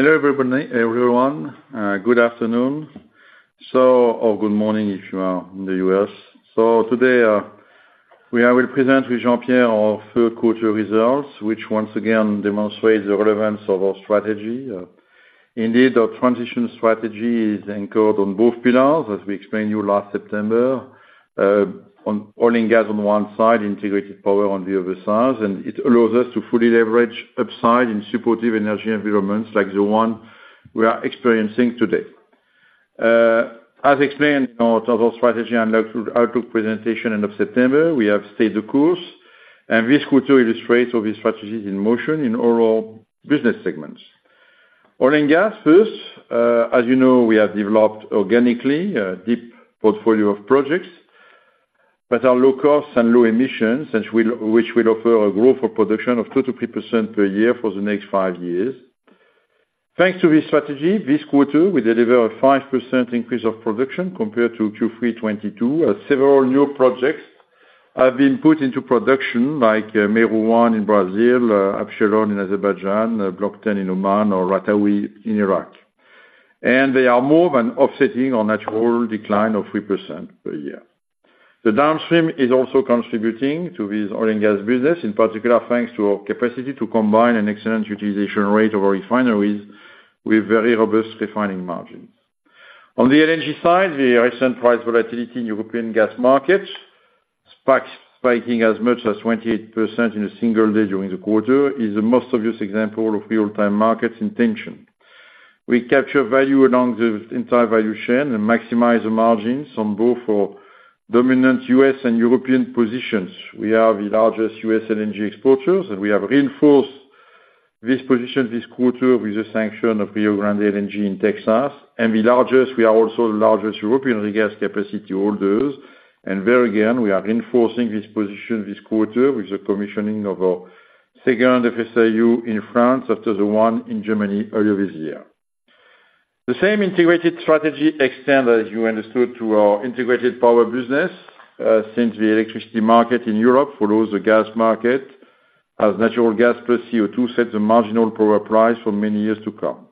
Hello, everybody, everyone, good afternoon. So, or good morning, if you are in the US. So today, I will present with Jean-Pierre, our third quarter results, which once again demonstrates the relevance of our strategy. Indeed, our transition strategy is anchored on both pillars, as we explained to you last September. On oil and gas on one side, integrated power on the other side, and it allows us to fully leverage upside in supportive energy environments like the one we are experiencing today. As explained in our Total strategy and outlook presentation, end of September, we have stayed the course, and this quarter illustrates all these strategies in motion in all our business segments. Oil and gas first, as you know, we have developed organically a deep portfolio of projects, but our low cost and low emissions, which will offer a growth of production of 2%-3% per year for the next five years. Thanks to this strategy, this quarter, we delivered a 5% increase of production compared to Q3 2022, as several new projects have been put into production, like Mero in Brazil, Absheron in Azerbaijan, Block 10 in Oman or Ratawi in Iraq, and they are more than offsetting our natural decline of 3% per year. The downstream is also contributing to this oil and gas business, in particular, thanks to our capacity to combine an excellent utilization rate of our refineries with very robust refining margins. On the LNG side, the recent price volatility in European gas markets, spikes spiking as much as 28% in a single day during the quarter, is the most obvious example of real-time markets intention. We capture value along the entire value chain and maximize the margins on both our dominant U.S. and European positions. We are the largest U.S. LNG exporters, and we have reinforced this position this quarter with the sanction of Rio Grande LNG in Texas, and the largest, we are also the largest European gas capacity holders. And very again, we are reinforcing this position this quarter with the commissioning of our second FSRU in France, after the one in Germany earlier this year. The same integrated strategy extended, as you understood, to our integrated power business, since the electricity market in Europe follows the gas market, as natural gas plus CO2 sets the marginal power price for many years to come.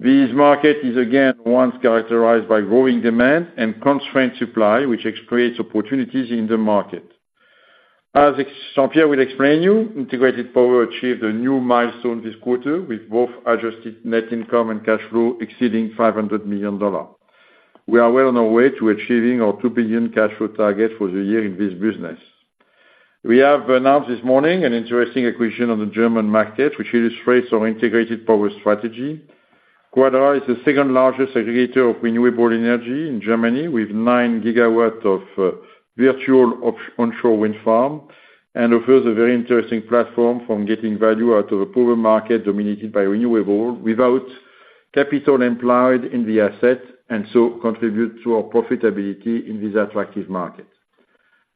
This market is again, once characterized by growing demand and constrained supply, which creates opportunities in the market. As Jean-Pierre will explain you, integrated power achieved a new milestone this quarter with both adjusted net income and cash flow exceeding $500 million. We are well on our way to achieving our $2 billion cash flow target for the year in this business. We have announced this morning an interesting acquisition on the German market, which illustrates our integrated power strategy. Quadra Energy is the second largest aggregator of renewable energy in Germany, with 9 GW of virtual of onshore wind farm, and offers a very interesting platform from getting value out of a power market dominated by renewable, without capital employed in the asset, and so contribute to our profitability in this attractive market.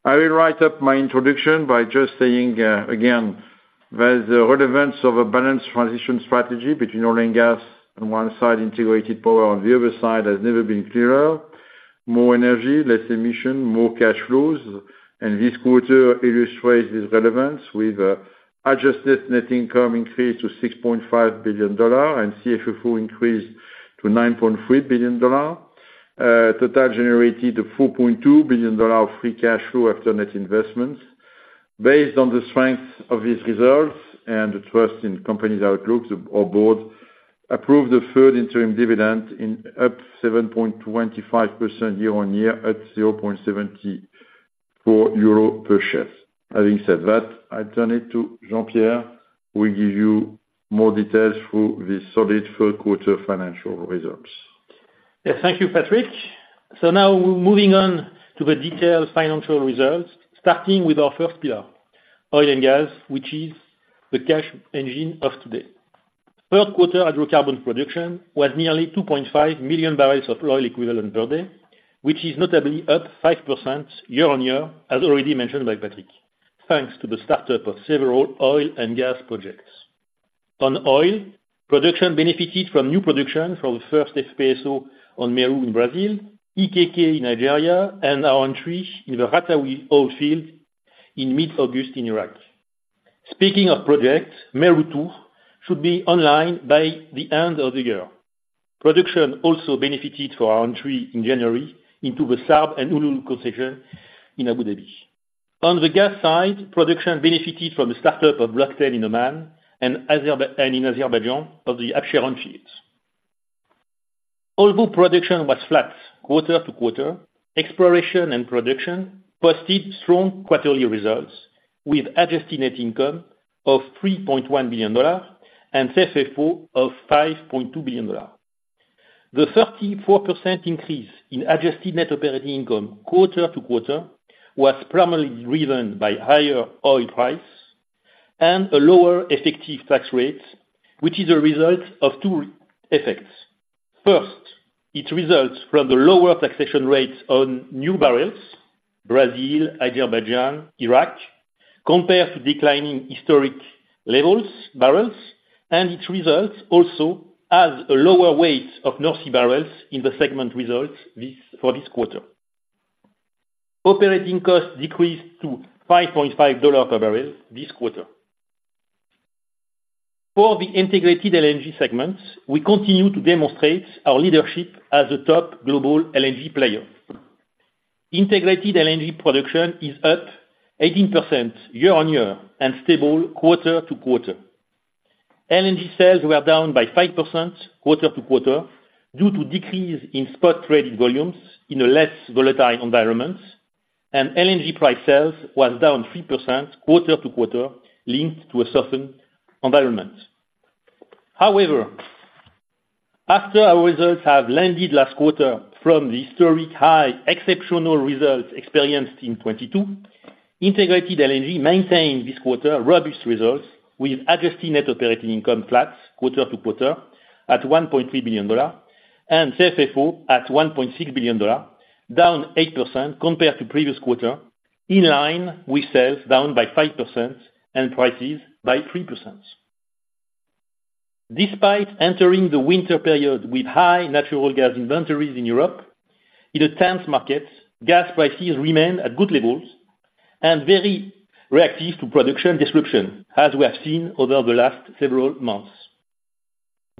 I will wrap up my introduction by just saying again that the relevance of a balanced transition strategy between oil and gas on one side, integrated power on the other side, has never been clearer. More energy, less emission, more cash flows, and this quarter illustrates this relevance with adjusted net income increase to $6.5 billion and CFFO increase to $9.3 billion. Total generated a $4.2 billion free cash flow after net investments. Based on the strength of these results and the trust in the company's outlooks, our board approved the third interim dividend increase up 7.25% year-on-year, at 0.74 euro per share. Having said that, I turn it to Jean-Pierre, who will give you more details through the solid fourth quarter financial results. Yes, thank you, Patrick. So now we're moving on to the detailed financial results, starting with our first pillar, oil and gas, which is the cash engine of today. Third quarter hydrocarbon production was nearly 2.5 million barrels of oil equivalent per day, which is notably up 5% year-on-year, as already mentioned by Patrick, thanks to the startup of several oil and gas projects. On oil, production benefited from new production from the first FPSO on Mero in Brazil, Ikike in Nigeria, and our entry in the Ratawi oil field in mid-August in Iraq. Speaking of projects, Mero II should be online by the end of the year. Production also benefited from our entry in January into the SARB and Umm Lulu concession in Abu Dhabi. On the gas side, production benefited from the startup of Block 10 in Oman and Azerbaijan and in Azerbaijan of the Absheron fields. Although production was flat quarter-to-quarter, exploration and production posted strong quarterly results, with adjusted net income of $3.1 billion and CFFO of $5.2 billion. The 34% increase in adjusted net operating income quarter-to-quarter was primarily driven by higher oil price and a lower effective tax rate, which is a result of two effects. First, it results from the lower taxation rates on new barrels, Brazil, Azerbaijan, Iraq, compared to declining historic levels, barrels, and it results also as a lower weight of North Sea barrels in the segment results this, for this quarter. Operating costs decreased to $5.5 per barrel this quarter. For the integrated LNG segments, we continue to demonstrate our leadership as a top global LNG player. Integrated LNG production is up 18% year-on-year and stable quarter-to-quarter. LNG sales were down by 5% quarter-to-quarter due to decrease in spot traded volumes in a less volatile environment, and LNG price sales was down 3% quarter-to-quarter, linked to a certain environment. However, after our results have landed last quarter from the historic high exceptional results experienced in 2022, integrated LNG maintained this quarter robust results with adjusted net operating income flat quarter-to-quarter at $1.3 billion and CFFO at $1.6 billion, down 8% compared to previous quarter, in line with sales down by 5% and prices by 3%. Despite entering the winter period with high natural gas inventories in Europe, in a tense market, gas prices remain at good levels and very reactive to production disruption, as we have seen over the last several months.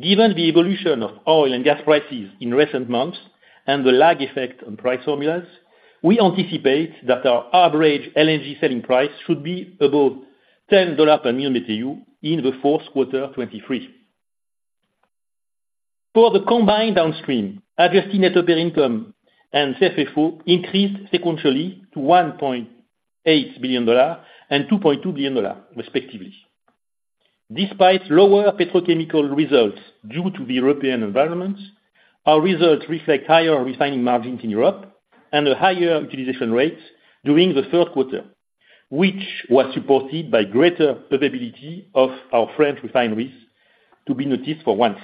Given the evolution of oil and gas prices in recent months and the lag effect on price formulas, we anticipate that our average LNG selling price should be above $10 per million BTU in the fourth quarter 2023. For the combined downstream, adjusted net operating income and CFFO increased sequentially to $1.8 billion and $2.2 billion, respectively. Despite lower petrochemical results due to the European environment, our results reflect higher refining margins in Europe and a higher utilization rate during the third quarter, which was supported by greater availability of our French refineries to be noticed for once.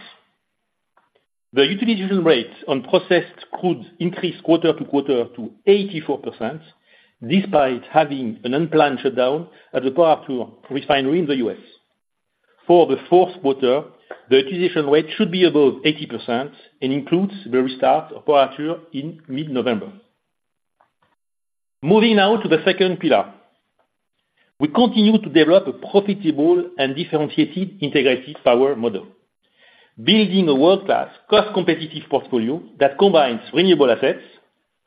The utilization rate on processed crude increased quarter-over-quarter to 84%, despite having an unplanned shutdown at the Port Arthur refinery in the U.S. For the fourth quarter, the utilization rate should be above 80% and includes the restart of Port Arthur in mid-November. Moving now to the second pillar. We continue to develop a profitable and differentiated integrated power model, building a world-class, cost-competitive portfolio that combines renewable assets,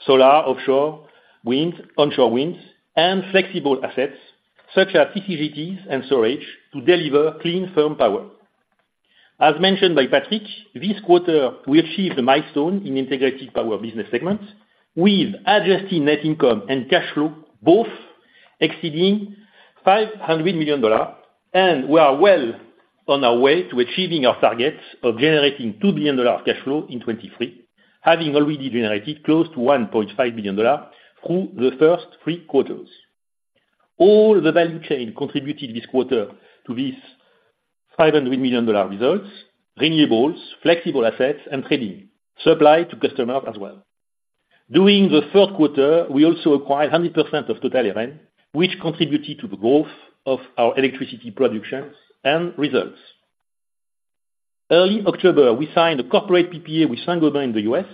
solar, offshore, wind, onshore wind, and flexible assets such as CCGTs and storage to deliver clean, firm power. As mentioned by Patrick, this quarter we achieved a milestone in integrated power business segment, with adjusted net income and cash flow both exceeding $500 million, and we are well on our way to achieving our targets of generating $2 billion cash flow in 2023, having already generated close to $1.5 billion through the first three quarters. All the value chain contributed this quarter to this $500 million results, renewables, flexible assets, and trading, supply to customers as well. During the third quarter, we also acquired 100% of Total Eren, which contributed to the growth of our electricity productions and results. Early October, we signed a corporate PPA with Saint-Gobain in the U.S.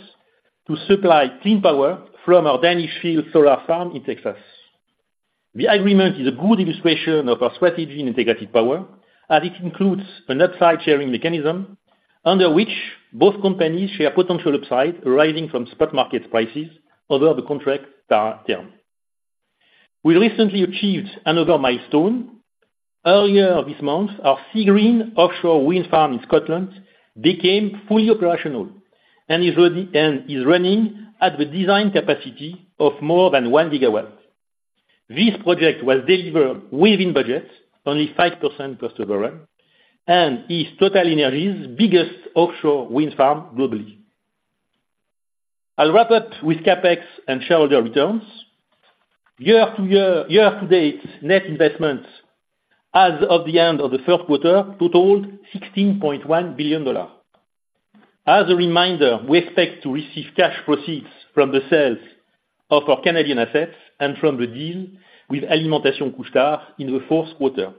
to supply clean power from our Danish Fields solar farm in Texas. The agreement is a good illustration of our strategy in integrated power, as it includes an upside sharing mechanism under which both companies share potential upside arising from spot market prices over the contract term. We recently achieved another milestone. Earlier this month, our Seagreen offshore wind farm in Scotland became fully operational and is running at the design capacity of more than 1 GW. This project was delivered within budget, only 5% cost overrun, and is TotalEnergies' biggest offshore wind farm globally. I'll wrap up with CapEx and shareholder returns. Year-to-date, net investments as of the end of the third quarter totaled $16.1 billion. As a reminder, we expect to receive cash proceeds from the sales of our Canadian assets and from the deal with Alimentation Couche-Tard in the fourth quarter.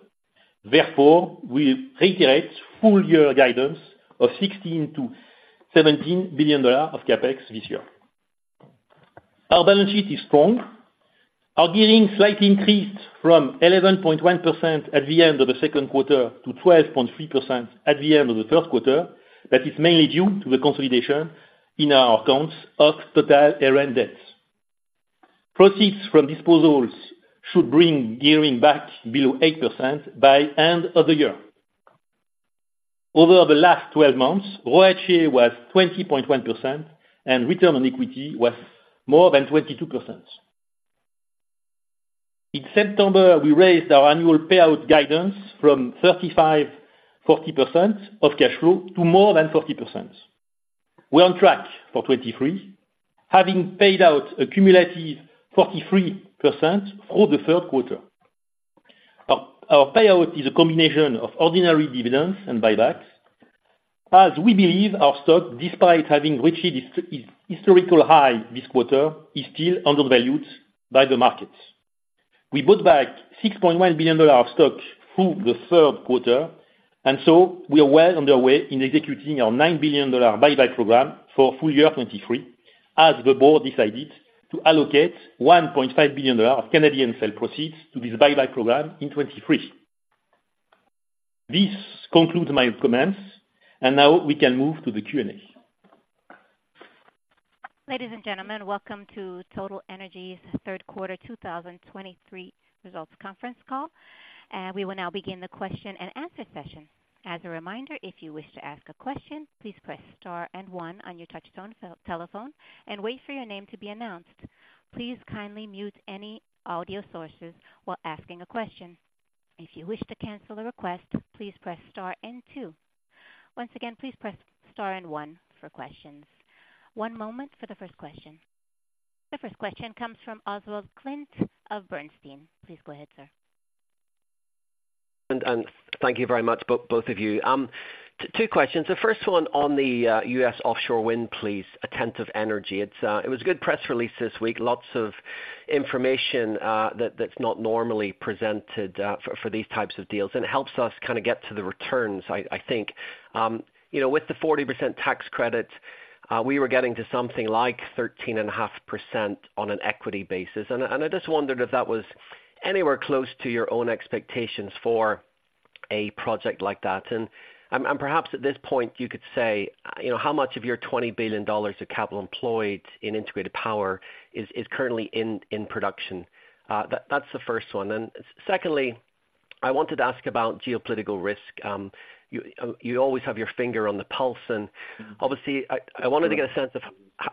Therefore, we reiterate full year guidance of $16 billion-$17 billion of CapEx this year. Our balance sheet is strong. Our gearing slightly increased from 11.1% at the end of the second quarter to 12.3% at the end of the third quarter. That is mainly due to the consolidation in our accounts of Total Eren debts. Proceeds from disposals should bring gearing back below 8% by end of the year. Over the last twelve months, ROCE was 20.1%, and return on equity was more than 22%. In September, we raised our annual payout guidance from 35%-40% of cash flow to more than 40%. We're on track for 2023, having paid out a cumulative 43% for the third quarter. Our payout is a combination of ordinary dividends and buybacks, as we believe our stock, despite having reached its historical high this quarter, is still undervalued by the market. We bought back $6.1 billion of stock through the third quarter, and so we are well on the way in executing our $9 billion buyback program for full year 2023, as the board decided to allocate $1.5 billion of Canadian sale proceeds to this buyback program in 2023. This concludes my comments, and now we can move to the Q&A. Ladies and gentlemen, welcome to TotalEnergies' third quarter 2023 results conference call. We will now begin the question and answer session. As a reminder, if you wish to ask a question, please press star and one on your touchtone telephone and wait for your name to be announced. Please kindly mute any audio sources while asking a question. If you wish to cancel a request, please press star and two. Once again, please press star and one for questions. One moment for the first question. The first question comes from Oswald Clint of Bernstein. Please go ahead, sir. Thank you very much, both of you. Two questions. The first one on the U.S. offshore wind, please, Attentive Energy. It was a good press release this week, lots of information that that's not normally presented for these types of deals, and it helps us kinda get to the returns, I think. You know, with the 40% tax credit, we were getting to something like 13.5% on an equity basis. And I just wondered if that was anywhere close to your own expectations for a project like that? And perhaps at this point, you could say, you know, how much of your $20 billion of capital employed in integrated power is currently in production? That's the first one. Secondly, I wanted to ask about geopolitical risk. You always have your finger on the pulse, and obviously, I wanted to get a sense of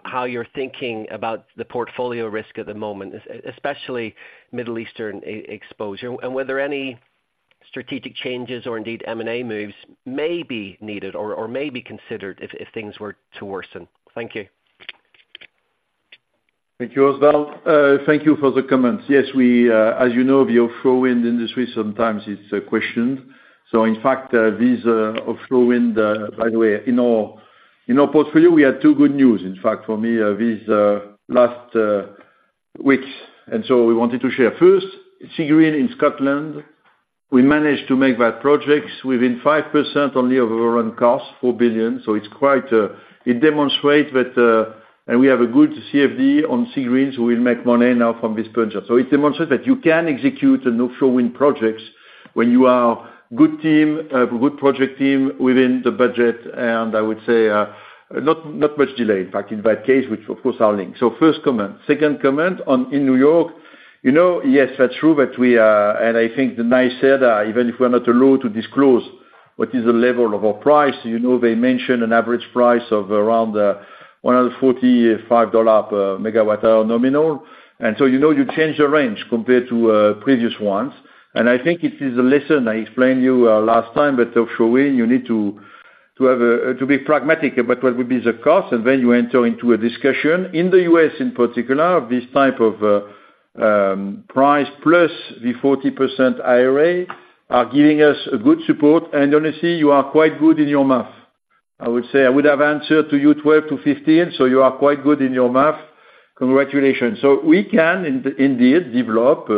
how you're thinking about the portfolio risk at the moment, especially Middle Eastern exposure, and whether any strategic changes or indeed M&A moves may be needed or may be considered if things were to worsen. Thank you. Thank you, Oswald. Thank you for the comments. Yes, as you know, the offshore wind industry sometimes is questioned. So in fact, these offshore wind, by the way, in our portfolio, we had two good news in fact for me, these last weeks, and so we wanted to share. First, Seagreen in Scotland, we managed to make that project within 5% only of our own cost, 4 billion. So it's quite, it demonstrates that. And we have a good CfD on Seagreen, so we'll make money now from this project. So it demonstrates that you can execute a offshore wind projects when you are good team, good project team within the budget, and I would say, not much delay, in fact, in that case, which of course are linked. So first comment. Second comment on, in New York, you know, yes, that's true, but we, and I think the analyst said, even if we're not allowed to disclose what is the level of our price, you know, they mentioned an average price of around $145 per MWh nominal. And so, you know, you change the range compared to previous ones. And I think it is a lesson I explained to you last time, but offshore wind, you need to, to have a to be pragmatic about what would be the cost, and then you enter into a discussion. In the US, in particular, this type of price plus the 40% IRA are giving us a good support, and honestly, you are quite good in your math. I would say, I would have answered to you 12-15, so you are quite good in your math. Congratulations. So we can indeed develop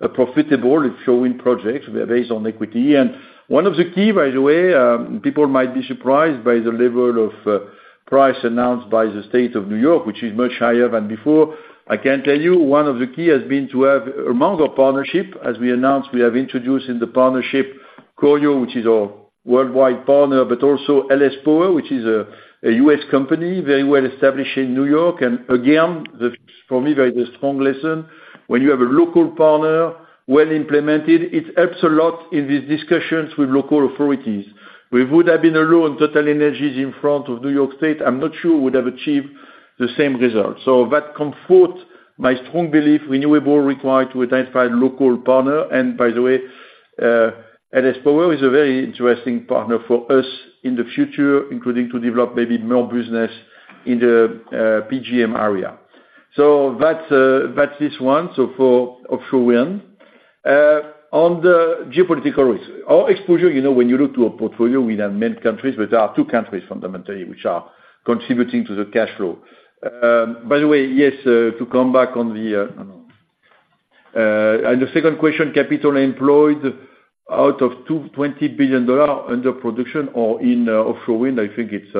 a profitable offshore wind project based on equity. And one of the key, by the way, people might be surprised by the level of price announced by the state of New York, which is much higher than before. I can tell you, one of the key has been to have amount of partnership. As we announced, we have introduced in the partnership, Corio, which is our worldwide partner, but also LS Power, which is a US company, very well established in New York. And again, for me, very strong lesson, when you have a local partner, well-implemented, it helps a lot in these discussions with local authorities. We would have been alone, TotalEnergies, in front of New York State. I'm not sure we would have achieved the same results. So that confirms my strong belief, renewables require to identify local partner. And by the way, LS Power is a very interesting partner for us in the future, including to develop maybe more business in the, PJM area. So that's, that's this one, so for offshore wind. On the geopolitical risk, our exposure, you know, when you look to a portfolio, we have many countries, but there are two countries fundamentally which are contributing to the cash flow. By the way, yes, to come back on the... And the second question, capital employed out of $20 billion under production or in offshore wind, I think it's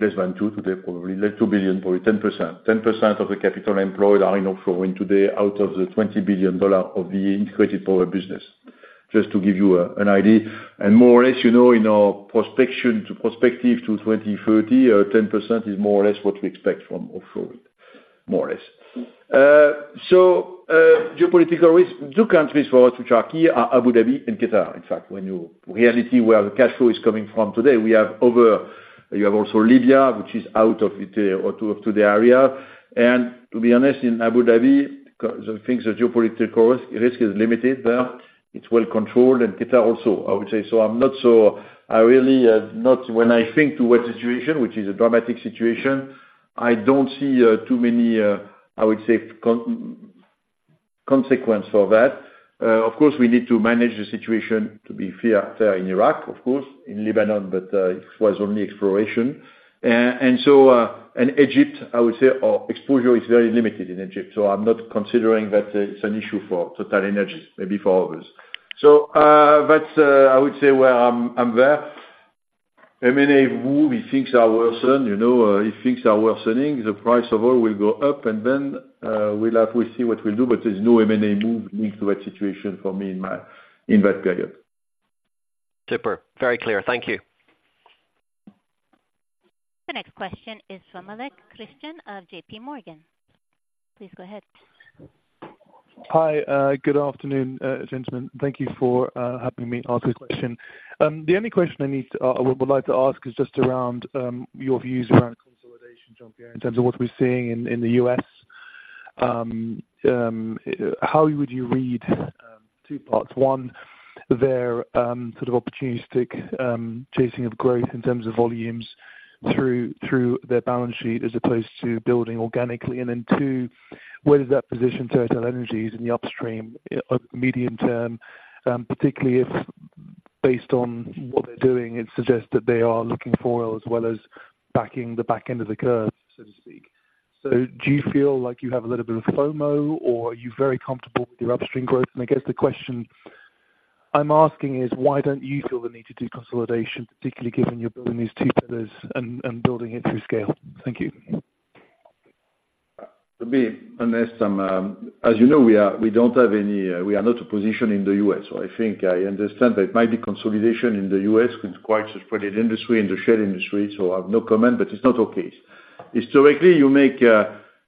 less than two today, probably, like $2 billion, probably 10%. 10% of the capital employed are in offshore wind today out of the $20 billion of the integrated power business, just to give you an idea. And more or less, you know, in our prospection to prospective to 2030, 10% is more or less what we expect from offshore wind, more or less. So, geopolitical risk, two countries for us, which are key, are Abu Dhabi and Qatar. In fact, when you really see where the cash flow is coming from today, we have over- you have also Libya, which is out of it, or to, to the area. To be honest, in Abu Dhabi, the things, the geopolitical risk is limited there. It's well controlled, and Qatar also, I would say. So I'm not so, I really not when I think to what the situation, which is a dramatic situation, I don't see too many, I would say, consequence for that. Of course, we need to manage the situation to be fair in Iraq, of course, in Lebanon, but it was only exploration. And so, and Egypt, I would say, our exposure is very limited in Egypt, so I'm not considering that it's an issue for TotalEnergies, maybe for others. So that's, I would say, where I'm there. M&A move, if things are worsen, you know, if things are worsening, the price of oil will go up, and then we'll have to see what we'll do, but there's no M&A move linked to that situation for me in my, in that period. Super. Very clear. Thank you. The next question is from Christyan Malek of JP Morgan. Please go ahead. Hi, good afternoon, gentlemen. Thank you for having me ask this question. The only question I would like to ask is just around your views around consolidation, Jean-Pierre, in terms of what we're seeing in the U.S. How would you read two parts: one, their sort of opportunistic chasing of growth in terms of volumes through their balance sheet, as opposed to building organically? And then two, where does that position TotalEnergies in the upstream medium term, particularly if, based on what they're doing, it suggests that they are looking for oil as well as backing the back end of the curve, so to speak. So do you feel like you have a little bit of FOMO, or are you very comfortable with your upstream growth? And I guess the question I'm asking is, why don't you feel the need to do consolidation, particularly given you're building these two pillars and, and building it through scale? Thank you. To be honest, as you know, we don't have any, we are not a position in the US, so I think I understand there might be consolidation in the US, it's quite a spread-out industry in the shale industry, so I have no comment, but it's not our case. Historically, you make,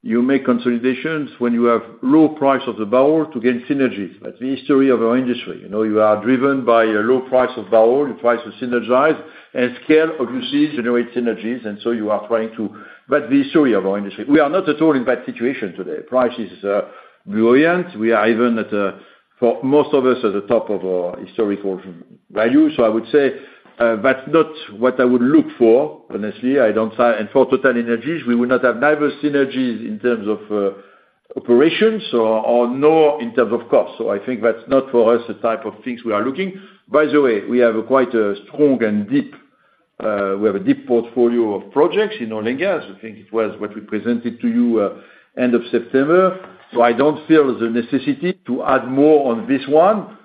you make consolidations when you have low price of the barrel to gain synergies. That's the history of our industry, you know, you are driven by a low price of barrel. You try to synergize, and scale, obviously, generate synergies, and so you are trying to... But the history of our industry, we are not at all in that situation today. Price is brilliant. We are even at, for most of us, at the top of our historical value. So I would say, that's not what I would look for, honestly. I don't sign, and for TotalEnergies, we would not have diverse synergies in terms of, operations or, or nor in terms of cost. So I think that's not, for us, the type of things we are looking. By the way, we have a quite, strong and deep, we have a deep portfolio of projects in oil and gas. I think it was what we presented to you, end of September, so I don't feel the necessity to add more on this one.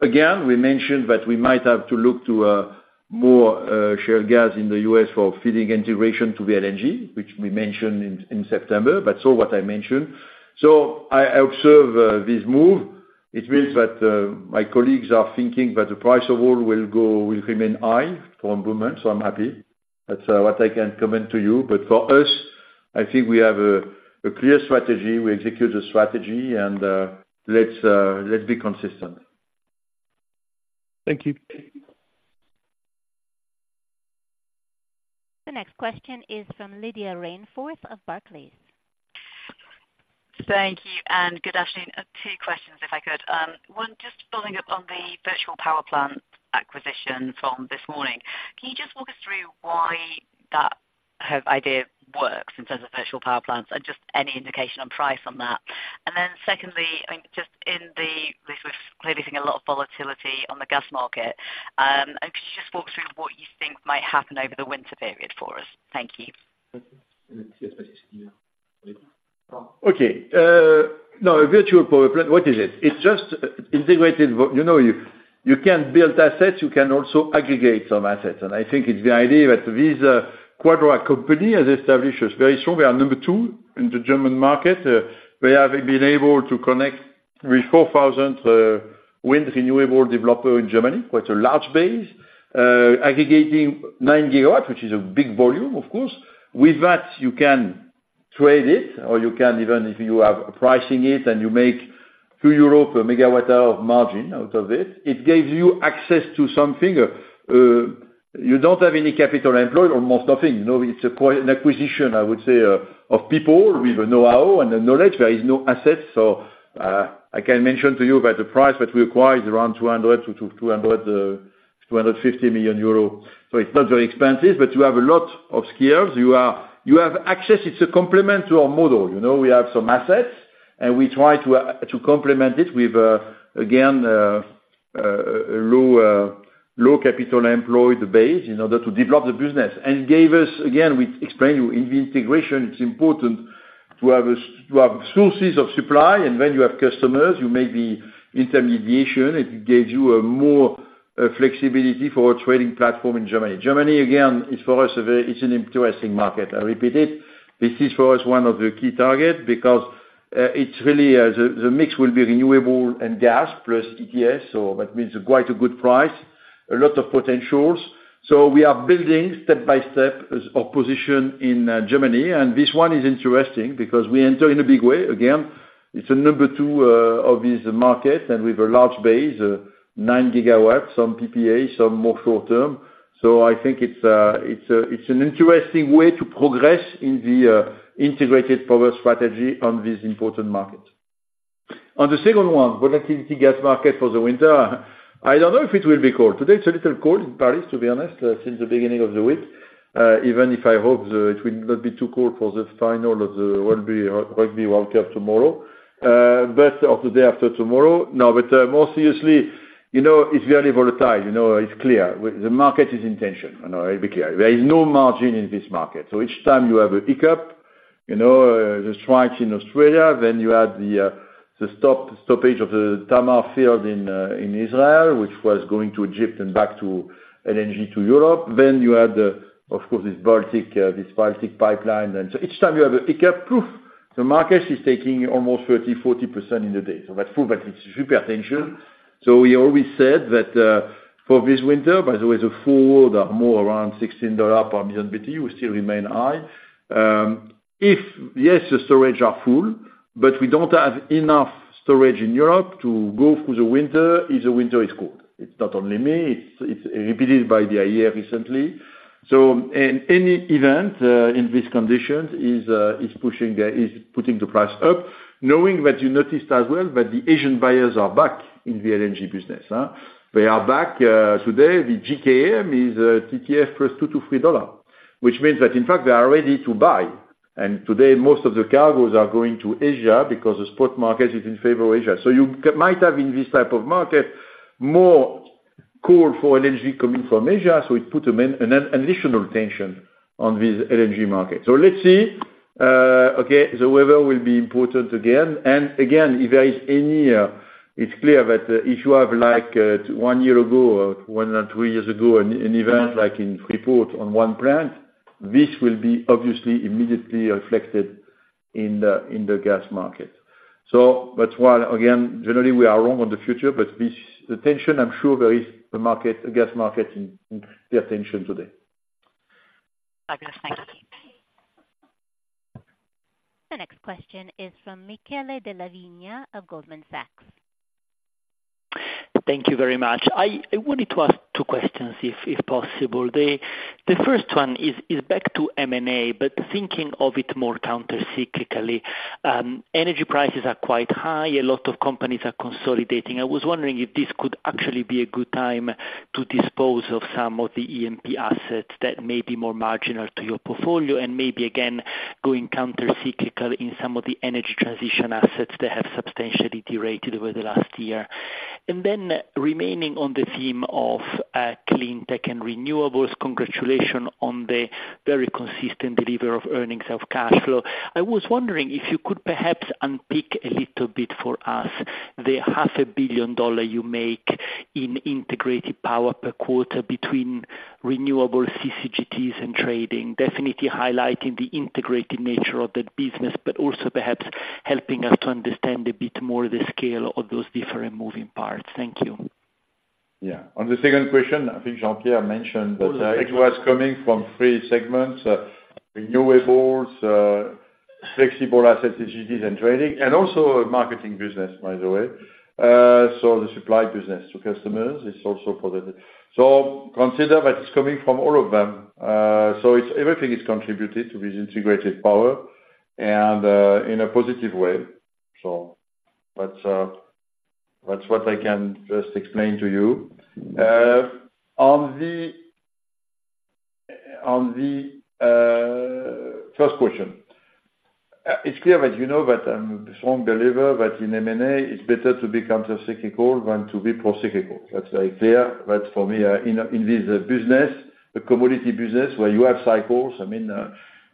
Again, we mentioned that we might have to look to, more, shared gas in the US for feeding integration to the LNG, which we mentioned in September, but so what I mentioned. So I observe, this move. It means that, my colleagues are thinking that the price of oil will go, will remain high for improvement, so I'm happy. That's, what I can comment to you, but for us, I think we have a clear strategy. We execute the strategy, and, let's, let's be consistent. Thank you. The next question is from Lydia Rainforth of Barclays. Thank you, and good afternoon. Two questions, if I could. One, just following up on the virtual power plant acquisition from this morning. Can you just walk us through why that whole idea works in terms of virtual power plants, and just any indication on price on that? And then secondly, I mean, just in this, we're clearly seeing a lot of volatility on the gas market. And could you just walk through what you think might happen over the winter period for us? Thank you. Okay, now, a virtual power plant, what is it? It's just integrated... But, you know, you can build assets, you can also aggregate some assets. And I think it's the idea that this Quadra Energy has established is very strong. We are number 2 in the German market. We have been able to connect with 4,000 wind renewable developer in Germany, quite a large base, aggregating 9 GW, which is a big volume, of course. With that, you can trade it, or you can, even, if you are pricing it, and you make 2 euro per MWh of margin out of it, it gives you access to something. You don't have any capital employed, almost nothing. You know, it's a pure acquisition, I would say, of people with the know-how and the knowledge. There is no assets. So, I can mention to you that the price that we acquired is around 200-250 million euros. So it's not very expensive, but you have a lot of skills. You are, you have access. It's a complement to our model. You know, we have some assets, and we try to complement it with, again, low capital employed base in order to develop the business. And gave us, again, we explain you, in the integration, it's important to have to have sources of supply, and when you have customers, you may be intermediation. It gives you a more flexibility for our trading platform in Germany. Germany, again, is for us, a very, it's an interesting market. I repeat it, this is, for us, one of the key target because it's really the mix will be renewable and gas, plus ETS, so that means quite a good price, a lot of potentials. So we are building, step by step, our position in Germany. And this one is interesting because we enter in a big way. Again, it's a number two obvious market, and with a large base, 9 GW, some PPA, some more short-term. So I think it's a, it's an interesting way to progress in the integrated power strategy on this important market. On the second one, volatility gas market for the winter? I don't know if it will be cold today, it's a little cold in Paris, to be honest, since the beginning of the week. Even if I hope it will not be too cold for the final of the Rugby, Rugby World Cup tomorrow, but or the day after tomorrow. No, but, more seriously, you know, it's very volatile, you know, it's clear, the market is in tension. I know, I'll be clear. There is no margin in this market, so each time you have a hiccup, you know, the strikes in Australia, then you had the stoppage of the Tamar field in in Israel, which was going to Egypt and back to LNG to Europe, then you had the, of course, this Baltic, this Baltic pipeline. And so each time you have a hiccup, poof! The market is taking almost 30, 40% in the day. So that's full, but it's super tension. So we always said that, for this winter, by the way, the forward, more around $16 per million BTU will still remain high. If, yes, the storage are full, but we don't have enough storage in Europe to go through the winter, if the winter is cold. It's not only me, it's repeated by the IEA recently. So in any event, in these conditions is pushing the is putting the price up, knowing that you noticed as well, that the Asian buyers are back in the LNG business, huh? They are back, today, the JKM is TTF plus $2-$3, which means that, in fact, they are ready to buy. And today, most of the cargos are going to Asia, because the spot market is in favor of Asia. So you might have, in this type of market, more call for LNG coming from Asia, so it put an additional tension on this LNG market. So let's see, okay, the weather will be important again. And again, if there is any... It's clear that if you have like, one year ago, or one or three years ago, an event like a rupture on one plant, this will be obviously immediately reflected in the, in the gas market. So but while again, generally we are long on the future, but this, the tension, I'm sure there is a market, a gas market in tension today. Thank you. The next question is from Michele Della Vigna of Goldman Sachs. Thank you very much. I wanted to ask two questions if possible. The first one is back to M&A, but thinking of it more countercyclically. Energy prices are quite high, a lot of companies are consolidating. I was wondering if this could actually be a good time to dispose of some of the EMP assets that may be more marginal to your portfolio, and maybe again, going countercyclical in some of the energy transition assets that have substantially derated over the last year. And then remaining on the theme of clean tech and renewables, congratulations on the very consistent delivery of earnings of cash flow. I was wondering if you could perhaps unpick a little bit for us, the $500 million you make in integrated power per quarter, between renewable CCGTs and trading, definitely highlighting the integrated nature of that business, but also perhaps helping us to understand a bit more the scale of those different moving parts? Thank you. Yeah. On the second question, I think Jean-Pierre mentioned that it was coming from three segments, renewables, flexible asset strategies and trading, and also a marketing business, by the way. So the supply business to customers is also for the... So consider that it's coming from all of them. So everything is contributed to this integrated power and, in a positive way. But, that's what I can just explain to you. On the first question, it's clear that you know that I'm a strong believer that in M&A, it's better to be countercyclical than to be procyclical. That's, like, clear. But for me, in this business, the commodity business, where you have cycles, I mean,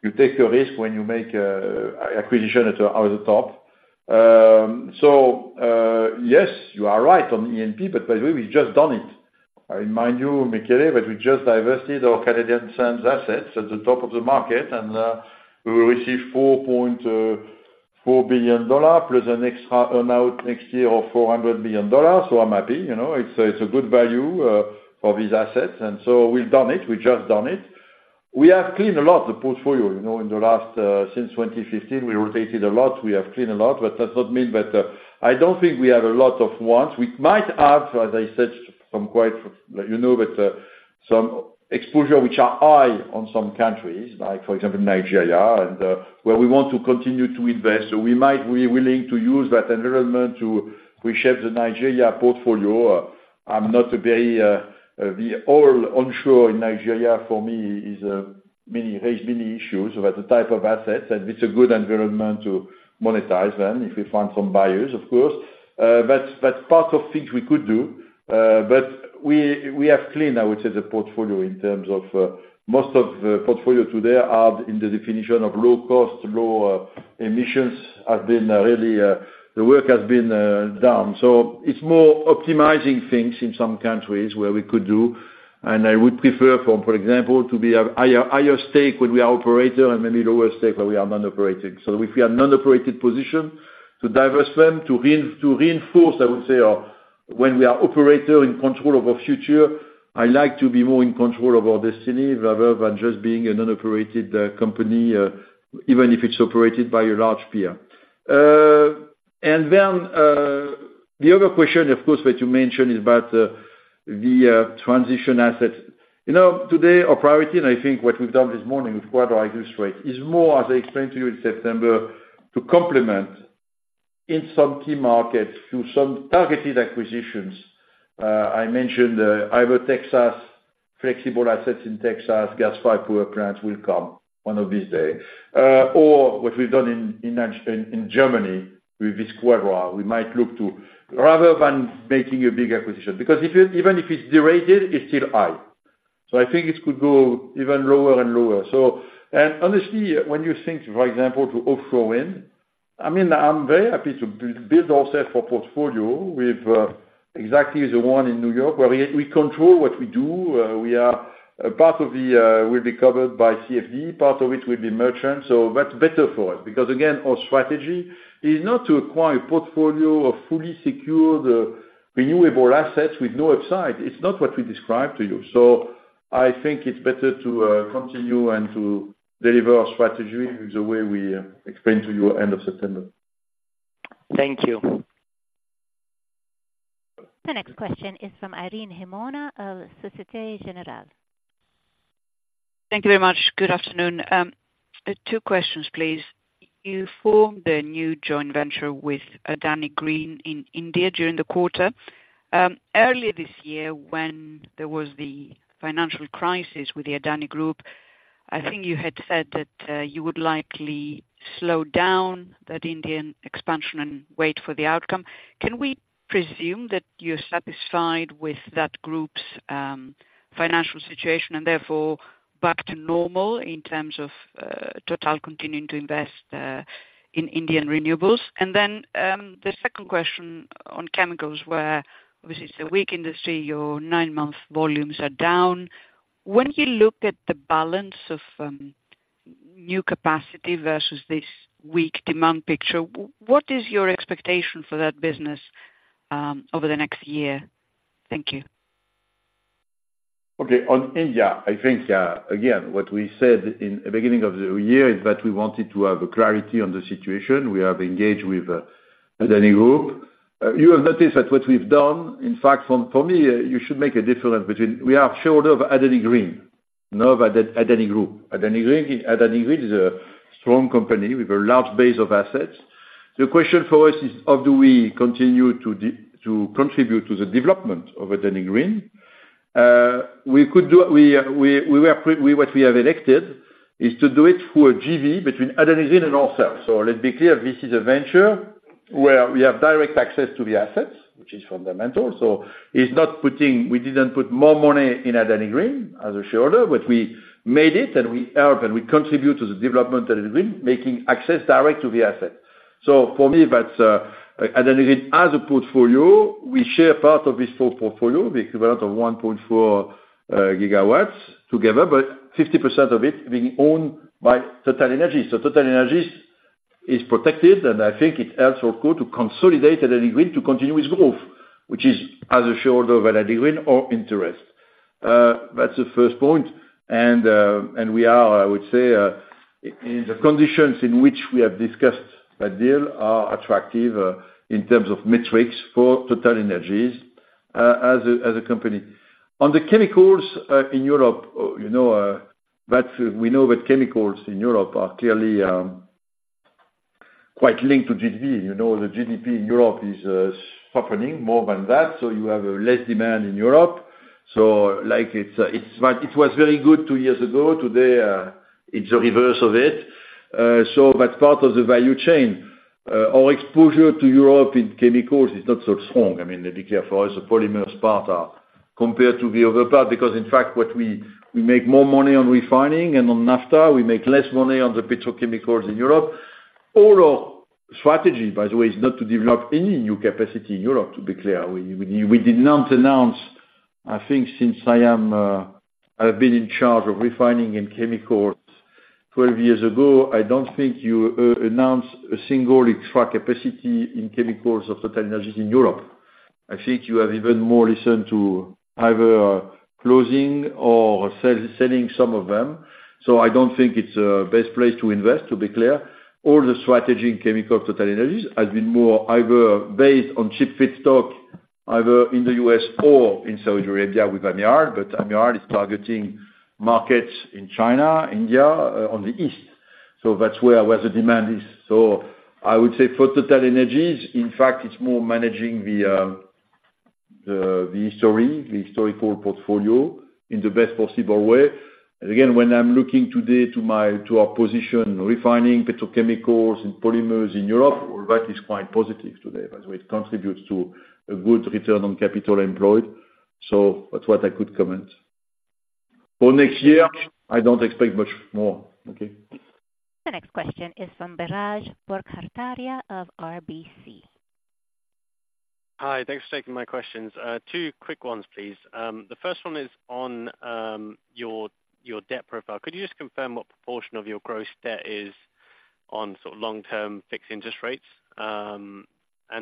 you take a risk when you make an acquisition at the top. So, yes, you are right on EMP, but by the way, we've just done it. I remind you, Michele, that we just divested our Canadian oil sands assets at the top of the market, and we received $4.4 billion, plus an extra earn-out next year of $400 billion. So I'm happy, you know, it's a good value for this asset, and so we've done it. We've just done it. We have cleaned a lot the portfolio, you know, in the last since 2015, we rotated a lot. We have cleaned a lot, but that's not mean that I don't think we have a lot of wants. We might have, as I said, some quite, you know, but some exposure which are high on some countries, like, for example, Nigeria, and where we want to continue to invest. So we might be willing to use that environment to reshape the Nigeria portfolio. I'm not today the oil onshore in Nigeria; for me, it raises many issues about the type of assets, and it's a good environment to monetize them, if we find some buyers, of course. But that's part of things we could do, but we have cleaned, I would say, the portfolio in terms of most of the portfolio today are in the definition of low cost, low emissions; [they] have been really the work has been done. So it's more optimizing things in some countries where we could do, and I would prefer, for example, to be a higher stake when we are operator and maybe lower stake when we are non-operated. So if we are non-operated position, to diversify them, to reinforce, I would say, when we are operator in control of our future, I like to be more in control of our destiny rather than just being a non-operated company, even if it's operated by a large peer. And then, the other question, of course, that you mentioned is about the transition asset. You know, today our priority, and I think what we've done this morning with Quadra illustrate, is more, as I explained to you in September, to complement in some key markets through some targeted acquisitions. I mentioned either Texas, flexible assets in Texas, gas pipe power plants will come one of these days. Or what we've done in Germany with this Quadra, we might look to rather than making a big acquisition, because if it even if it's derated, it's still high. So I think it could go even lower and lower. So, and honestly, when you think, for example, to offshore wind, I mean, I'm very happy to build ourselves for portfolio with exactly the one in New York, where we control what we do. We are a part of the will be covered by CFV, part of it will be merchant. So that's better for it, because again, our strategy is not to acquire a portfolio of fully secured renewable assets with no upside. It's not what we described to you. So I think it's better to continue and to deliver our strategy the way we explained to you end of September. Thank you. The next question is from Irene Himona of Société Générale. Thank you very much. Good afternoon. Two questions, please. You formed a new joint venture with Adani Green in India during the quarter. Earlier this year, when there was the financial crisis with the Adani Group, I think you had said that you would likely slow down that Indian expansion and wait for the outcome. Can we presume that you're satisfied with that group's financial situation, and therefore back to normal in terms of Total continuing to invest in Indian renewables? And then, the second question on chemicals, where obviously it's a weak industry, your nine-month volumes are down. When you look at the balance of new capacity versus this weak demand picture, what is your expectation for that business over the next year? Thank you. Okay. On India, I think, again, what we said in the beginning of the year is that we wanted to have a clarity on the situation. We have engaged with Adani Group. You have noticed that what we've done, in fact, from for me, you should make a difference between... We are shareholder of Adani Green, not of Adani Group. Adani Green, Adani Green is a strong company with a large base of assets. The question for us is, how do we continue to contribute to the development of Adani Green? We could do, we, we, we were we, what we have elected is to do it through a JV between Adani Green and ourselves. So let's be clear, this is a venture where we have direct access to the assets, which is fundamental. So it's not putting, we didn't put more money in Adani Green as a shareholder, but we made it, and we help, and we contribute to the development that it will be, making access direct to the asset. So for me, that's Adani Green as a portfolio, we share part of this full portfolio, the equivalent of 1.4 GW together, but 50% of it being owned by TotalEnergies. So TotalEnergies is protected, and I think it helps our goal to consolidate Adani Green to continue its growth, which is as a shareholder of Adani Green, our interest. That's the first point. And we are, I would say, in the conditions in which we have discussed that deal are attractive, in terms of metrics for TotalEnergies, as a, as a company. On the chemicals in Europe, you know, we know that chemicals in Europe are clearly quite linked to GDP. You know, the GDP in Europe is softening more than that, so you have a less demand in Europe. So like it was very good two years ago. Today, it's the reverse of it. So that's part of the value chain. Our exposure to Europe in chemicals is not so strong. I mean, let me be clear, for us, the polymers part are compared to the other part, because in fact, we make more money on refining and on naphtha. We make less money on the petrochemicals in Europe. All our strategy, by the way, is not to develop any new capacity in Europe, to be clear. We did not announce, I think since I've been in charge of refining and chemicals 12 years ago, I don't think you announce a single extra capacity in chemicals of TotalEnergies in Europe. I think you have even more likely to either closing or selling some of them, so I don't think it's the best place to invest, to be clear. All the strategy in chemical TotalEnergies has been more either based on cheap feedstock, either in the U.S. or in Saudi Arabia with Amiral, but Amiral is targeting markets in China, India, on the East. So that's where the demand is. So I would say for TotalEnergies, in fact, it's more managing the historical portfolio in the best possible way. Again, when I'm looking today to my, to our position, refining petrochemicals and polymers in Europe, all that is quite positive today. By the way, it contributes to a good return on capital employed, so that's what I could comment. For next year, I don't expect much more, okay? The next question is from Biraj Borkhataria of RBC. Hi, thanks for taking my questions. Two quick ones, please. The first one is on your debt profile. Could you just confirm what proportion of your gross debt is on sort of long-term fixed interest rates? And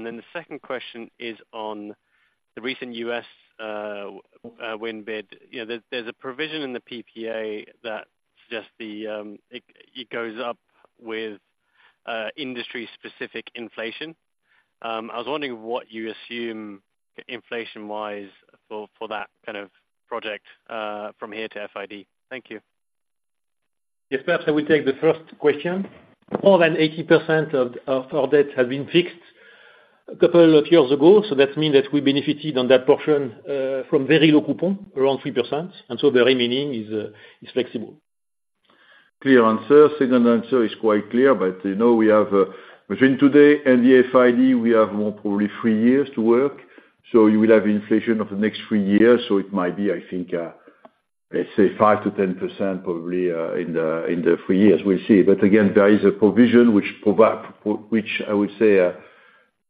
then the second question is on the recent U.S. wind bid. You know, there's a provision in the PPA that suggests it goes up with industry-specific inflation. I was wondering what you assume inflation wise for that kind of project, from here to FID? Thank you. Yes, perhaps I will take the first question. More than 80% of our debt has been fixed a couple of years ago, so that mean that we benefited on that portion from very low coupon, around 3%, and so the remaining is flexible. Clear answer. Second answer is quite clear, but you know, we have, between today and the FID, we have more probably three years to work, so you will have inflation of the next three years. So it might be, I think, let's say 5%-10% probably, in the, in the three years, we'll see. But again, there is a provision which provide, which I would say,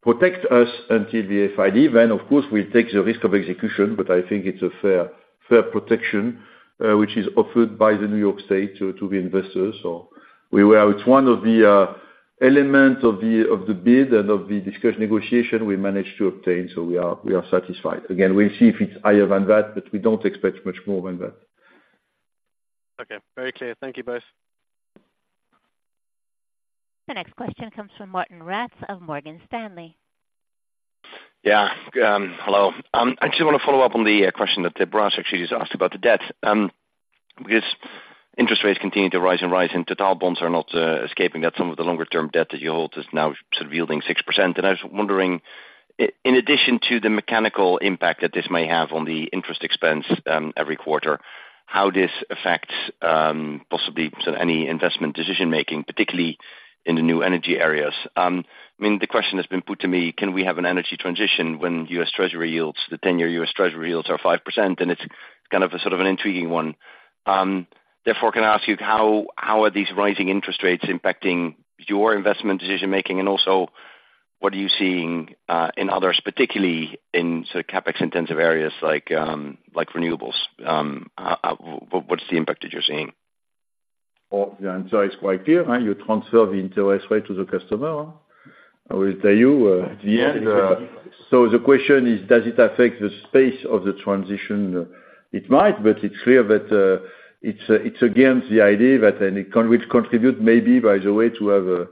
protects us until the FID. Then, of course, we take the risk of execution, but I think it's a fair, fair protection, which is offered by the New York State to, to the investors. So we were, it's one of the, element of the, of the bid and of the discussion negotiation we managed to obtain, so we are, we are satisfied. Again, we'll see if it's higher than that, but we don't expect much more than that. Okay. Very clear. Thank you both. The next question comes from Martijn Rats of Morgan Stanley. Yeah. Hello. I just wanna follow up on the question that Brad actually just asked about the debt. Because interest rates continue to rise and rise, and Total bonds are not escaping that. Some of the longer term debt that you hold is now sort of yielding 6%, and I was wondering in addition to the mechanical impact that this may have on the interest expense every quarter, how this affects possibly sort of any investment decision making, particularly in the new energy areas? I mean, the question has been put to me, can we have an energy transition when U.S. Treasury yields, the 10-year U.S. Treasury yields are 5%? And it's kind of a sort of an intriguing one. Therefore, can I ask you, how are these rising interest rates impacting your investment decision making? And also, what are you seeing in others, particularly in sort of CapEx-intensive areas like renewables? What’s the impact that you’re seeing? Well, the answer is quite clear, right? You transfer the interest rate to the customer. I will tell you, at the end, So the question is, does it affect the space of the transition? It might, but it's clear that, it's against the idea that any con- which contribute maybe, by the way, to have a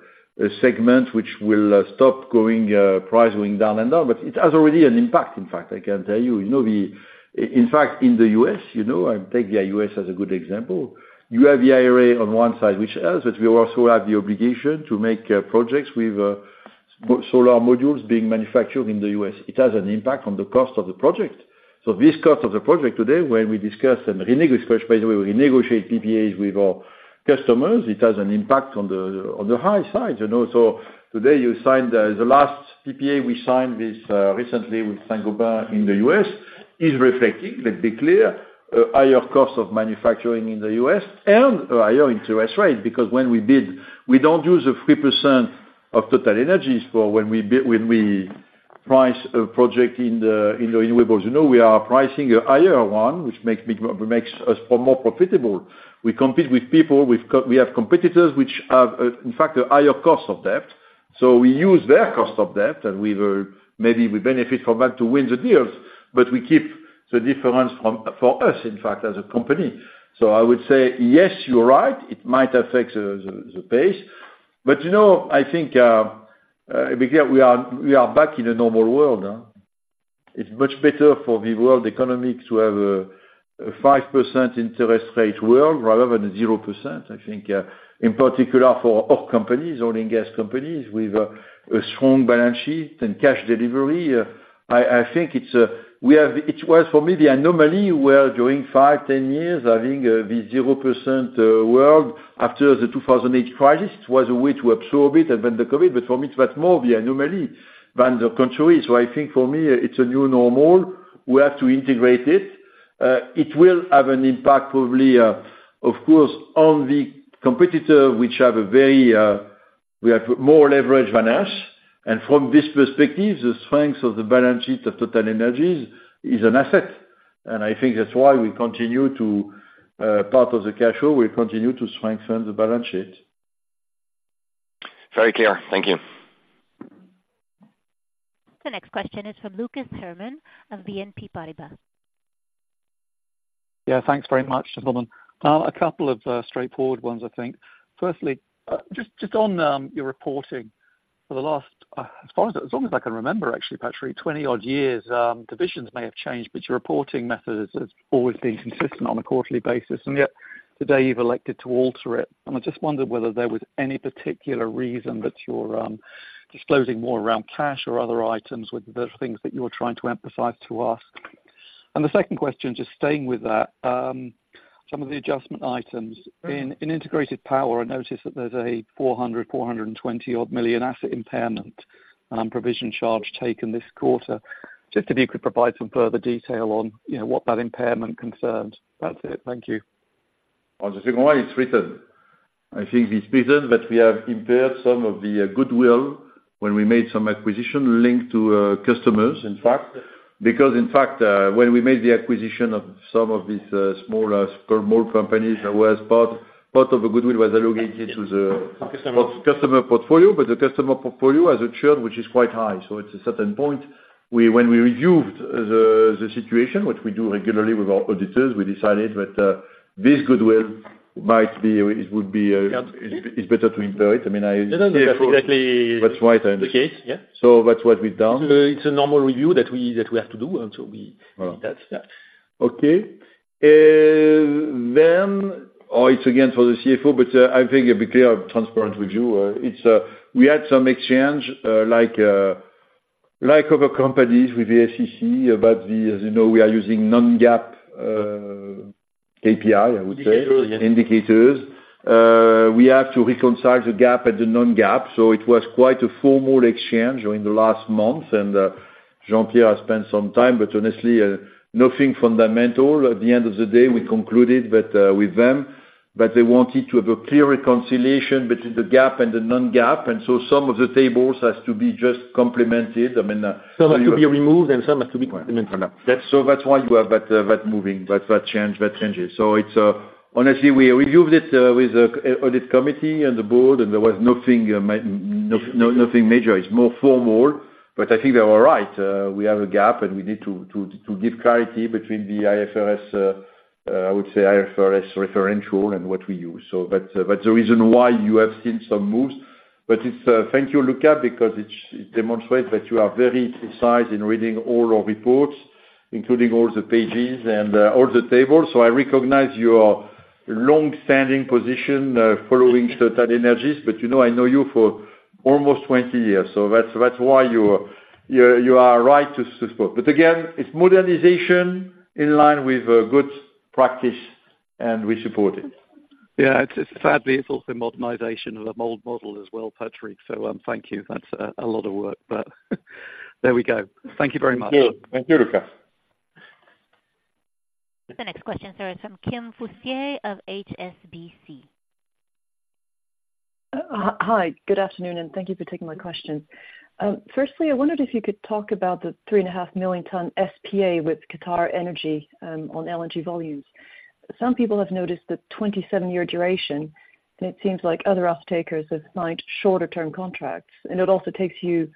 segment which will, stop going, price going down and down. But it has already an impact, in fact, I can tell you. You know, we, in fact, in the US, you know, I take the US as a good example, you have the IRA on one side, which helps, but we also have the obligation to make, projects with, solar modules being manufactured in the US. It has an impact on the cost of the project. So this cost of the project today, when we discuss and renegotiate, by the way, we negotiate PPAs with our customers, it has an impact on the, on the high side, you know. So today you sign the. The last PPA we signed with, recently with Saint-Gobain in the US, is reflecting, let's be clear, a higher cost of manufacturing in the US and a higher interest rate. Because when we bid, we don't use the 3% of TotalEnergies, for when we price a project in the, in the renewables, you know, we are pricing a higher one, which makes me, makes us more profitable. We compete with people, we have competitors which have, in fact, a higher cost of debt. So we use their cost of debt, and we will maybe benefit from that to win the deals, but we keep the difference from, for us, in fact, as a company. So I would say, yes, you're right, it might affect the pace, but you know, I think, because we are back in a normal world. It's much better for the world economy to have a 5% interest rate world rather than 0%, I think, in particular for oil companies, oil and gas companies with a strong balance sheet and cash delivery. I think it's a... We have, it was, for me, the anomaly, where during five, 10 years, having the 0% world after the 2008 crisis, was a way to absorb it, and then the COVID. But for me, it was more the anomaly than the contrary. So I think for me, it's a new normal. We have to integrate it. It will have an impact, probably, of course, on the competitor, which have a very, we have more leverage than us. And from this perspective, the strength of the balance sheet of TotalEnergies is an asset, and I think that's why we continue to, part of the cash flow, we continue to strengthen the balance sheet. Very clear. Thank you. The next question is from Lucas Herrmann of BNP Paribas. Yeah, thanks very much, gentlemen. A couple of straightforward ones, I think. Firstly, just on your reporting, for the last, as far as, as long as I can remember, actually, Patrick, 20-odd years, divisions may have changed, but your reporting method has always been consistent on a quarterly basis, and yet today you've elected to alter it. And I just wondered whether there was any particular reason that you're disclosing more around cash or other items with the things that you're trying to emphasize to us? And the second question, just staying with that, some of the adjustment items. In integrated power, I noticed that there's a 420-odd million asset impairment provision charge taken this quarter. Just if you could provide some further detail on, you know, what that impairment concerns. That's it. Thank you. On the second one, it's written. I think it's written, but we have impaired some of the goodwill when we made some acquisition linked to customers, in fact. Because in fact, when we made the acquisition of some of these small companies, there was part of the goodwill was allocated to the- Customers customer portfolio, but the customer portfolio has a churn which is quite high. So at a certain point, we, when we reviewed the situation, which we do regularly with our auditors, we decided that this goodwill might be, it would be, it's better to impair it. I mean, I- Yeah, that's exactly- That's right. The case, yeah. So that's what we've done. It's a normal review that we have to do, and so we- That's, yeah. Okay. Then it's again for the CFO, but I think it be clear, transparent with you. It's we had some exchange, like other companies with the SEC about the, as you know, we are using non-GAAP KPI, I would say- Indicators, yes. Indicators. We have to reconcile the GAAP and the non-GAAP, so it was quite a formal exchange during the last month, and Jean-Pierre has spent some time, but honestly, nothing fundamental. At the end of the day, we concluded that with them, that they wanted to have a clear reconciliation between the GAAP and the non-GAAP, and so some of the tables has to be just complemented. I mean, Some have to be removed, and some have to be complemented. So that's why you have that moving, that change, that changes. So it's honestly, we reviewed it with audit committee and the board, and there was nothing, no nothing major. It's more formal, but I think they are right. We have a GAAP, and we need to give clarity between the IFRS, I would say IFRS referential and what we use. So that's the reason why you have seen some moves, but it's thank you, Luca, because it demonstrates that you are very precise in reading all our reports, including all the pages and all the tables. So I recognize your longstanding position following TotalEnergies, but you know, I know you for almost 20 years, so that's why you are right to suspect. But again, it's modernization in line with good practice, and we support it. Yeah, it's sadly also modernization of an old model as well, Patrick, so, thank you. That's a lot of work, but there we go. Thank you very much. Thank you. Thank you, Luca. The next question is from Kim Fustier of HSBC. Hi, good afternoon, and thank you for taking my question. Firstly, I wondered if you could talk about the 3.5 million ton SPA with QatarEnergy on LNG volumes. Some people have noticed the 27-year duration, and it seems like other off-takers have signed shorter term contracts, and it also takes you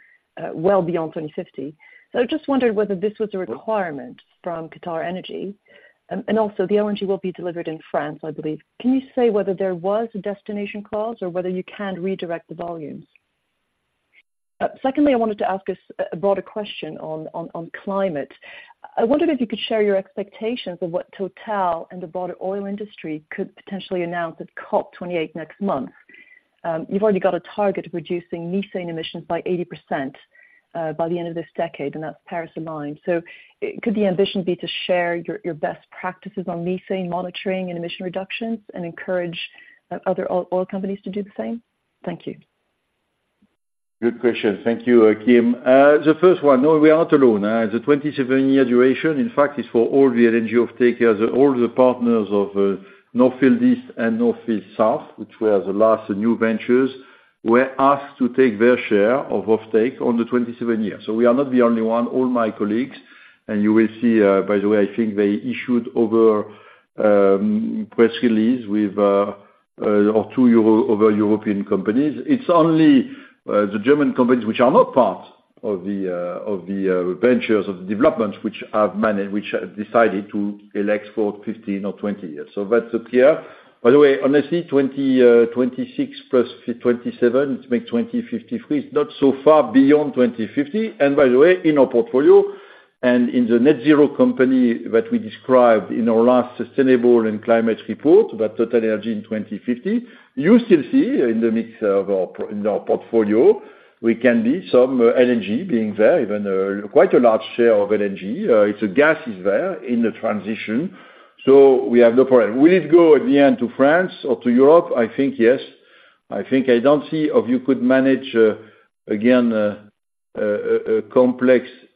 well beyond 2050. So I just wondered whether this was a requirement from QatarEnergy, and also the LNG will be delivered in France, I believe. Can you say whether there was a destination clause or whether you can redirect the volumes? Secondly, I wanted to ask a broader question on climate. I wondered if you could share your expectations of what Total and the broader oil industry could potentially announce at COP28 next month. You've already got a target of reducing methane emissions by 80% by the end of this decade, and that's Paris aligned. So could the ambition be to share your best practices on methane monitoring and emission reductions, and encourage other oil companies to do the same? Thank you. Good question. Thank you, Kim. The first one, no, we are not alone. The 27-year duration, in fact, is for all the LNG offtakers, all the partners of North Field East and North Field South, which were the last new ventures, were asked to take their share of offtake on the 27 years. So we are not the only one. All my colleagues, and you will see, by the way, I think they issued one or two press releases with European companies. It's only the German companies, which are not part of the of the ventures of the development, which have managed, which have decided to elect for 15 or 20 years. So that's clear. By the way, honestly, 26 plus 27, it makes 2053. It's not so far beyond 2050. By the way, in our portfolio, and in the net zero company that we described in our last sustainable and climate report, about TotalEnergies in 2050, you still see in the mix of our in our portfolio, we can be some LNG being there, even quite a large share of LNG. It's a gas is there in the transition, so we have no problem. Will it go in the end to France or to Europe? I think, yes. I think, I don't see how you could manage again a complex inter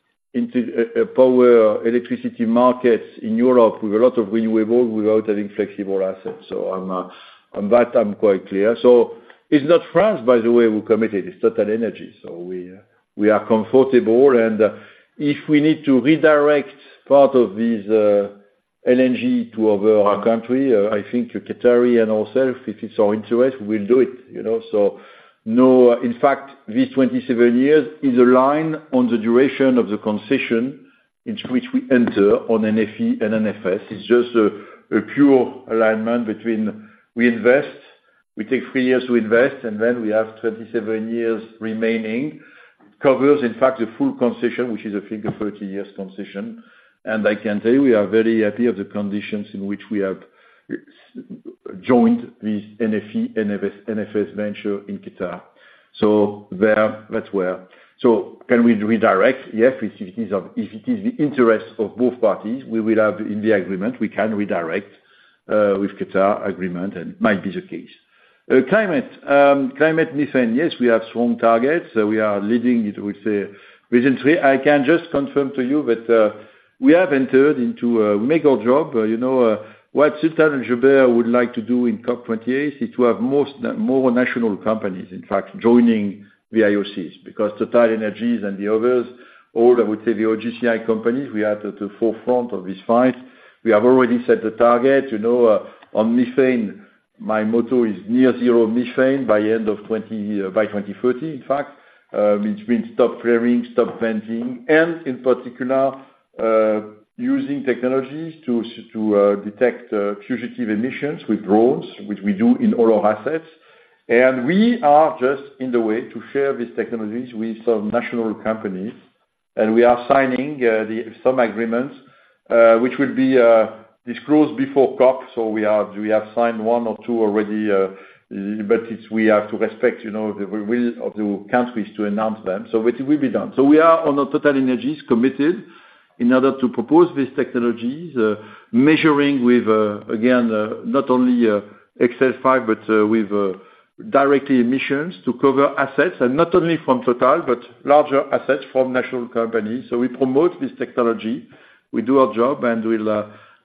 power electricity markets in Europe with a lot of renewable without any flexible assets. So I'm on that, I'm quite clear. So it's not France, by the way, who committed, it's TotalEnergies, so we are comfortable, and if we need to redirect part of this LNG to other our country, I think the Qatari and ourself, if it's our interest, we'll do it, you know? So no, in fact, this 27 years is aligned on the duration of the concession into which we enter on NFE and NFS. It's just a pure alignment between we invest, we take 3 years to invest, and then we have 27 years remaining. Covers, in fact, the full concession, which is I think a 30 years concession. And I can tell you, we are very happy of the conditions in which we have joined this NFE, NFS, NFS venture in Qatar. So there, that's where. So can we redirect? Yes, if it is the interest of both parties, we will have in the agreement, we can redirect with Qatar agreement, and might be the case. Climate methane, yes, we have strong targets. So we are leading it with recently. I can just confirm to you that we have entered into make our job, you know, what Total and Al Jaber would like to do in COP28 is to have most more national companies, in fact, joining the IOCs. Because TotalEnergies and the others, all, I would say, the OGCI companies, we are at the forefront of this fight. We have already set the target, you know, on methane, my motto is near zero methane by end of 2030, in fact. Which means stop flaring, stop venting, and in particular, using technologies to detect fugitive emissions with drones, which we do in all our assets. And we are just in the way to share these technologies with some national companies... and we are signing some agreements, which will be disclosed before COP, so we are, we have signed one or two already, but it's, we have to respect, you know, the will of the countries to announce them. So it will be done. So we are on the TotalEnergies, committed, in order to propose these technologies measuring with again not only Level 5, but with directly emissions to cover assets, and not only from Total, but larger assets from national companies. So we promote this technology, we do our job, and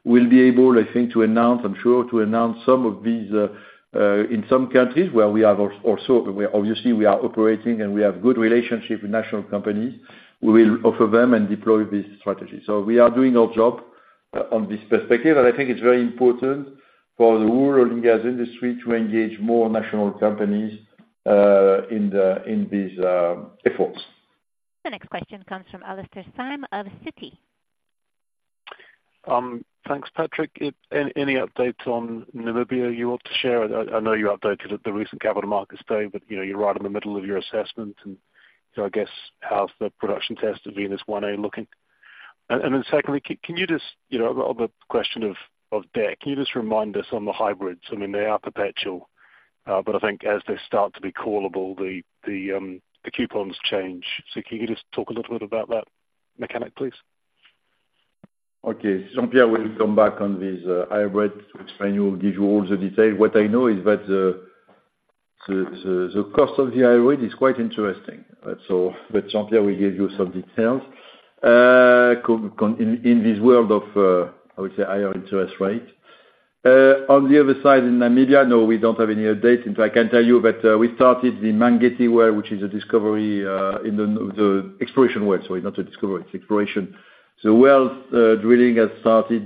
we'll be able, I think, to announce, I'm sure, to announce some of these in some countries where we have also, where obviously we are operating, and we have good relationship with national companies, we will offer them and deploy this strategy. So we are doing our job on this perspective, and I think it's very important for the natural gas industry to engage more national companies in these efforts. The next question comes from Alastair Syme of Citi. Thanks, Patrick. Any updates on Namibia you want to share? I know you updated at the recent capital markets day, but, you know, you're right in the middle of your assessment, and so I guess, how's the production test at Venus-1A looking? And then secondly, can you just, you know, on the question of debt, can you just remind us on the hybrids? I mean, they are perpetual, but I think as they start to be callable, the coupons change. So can you just talk a little bit about that mechanic, please? Okay. Jean-Pierre will come back on this hybrid to explain you, give you all the detail. What I know is that the cost of the hybrid is quite interesting, but so, but Jean-Pierre will give you some details. Continuing in this world of, I would say, higher interest rate. On the other side, in Namibia, no, we don't have any updates, and I can tell you that we started the Mangetti well, which is a discovery in the exploration well, sorry, not a discovery, it's exploration. So well drilling has started,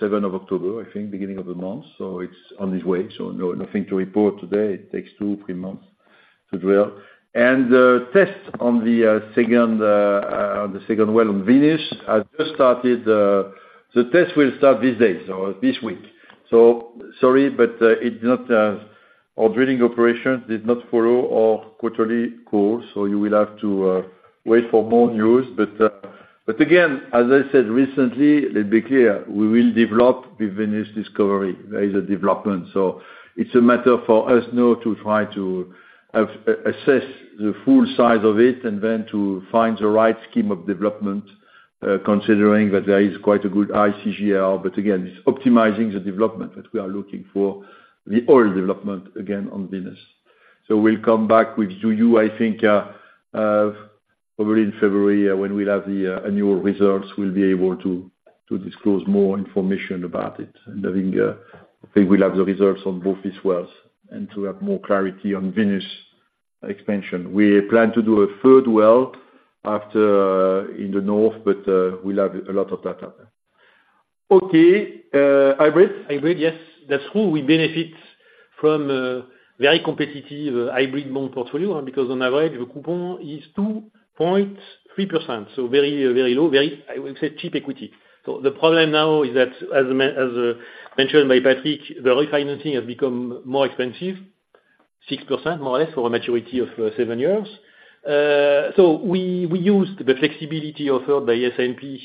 seventh of October, I think, beginning of the month, so it's on its way, so no, nothing to report today. It takes two, three months to drill. The test on the second well on Venus, I just started, the test will start this day, so this week. So sorry, but, it's not... Our drilling operations did not follow our quarterly course, so you will have to wait for more news. But again, as I said recently, let's be clear, we will develop the Venus discovery. There is a development, so it's a matter for us now to try to assess the full size of it, and then to find the right scheme of development, considering that there is quite a good IGGL. But again, it's optimizing the development that we are looking for, the oil development, again, on Venus. So we'll come back with you, I think, probably in February, when we'll have the annual results, we'll be able to disclose more information about it. And having, I think we'll have the results on both these wells, and to have more clarity on Venus expansion. We plan to do a third well after in the north, but we'll have a lot of data. Okay, hybrid? Hybrid, yes, that's who we benefit from, very competitive hybrid bond portfolio, because on average, the coupon is 2.3%, so very, very low, very, I would say, cheap equity. So the problem now is that, as mentioned by Patrick, the refinancing has become more expensive, 6% more or less, for a maturity of 7 years. So we used the flexibility offered by S&P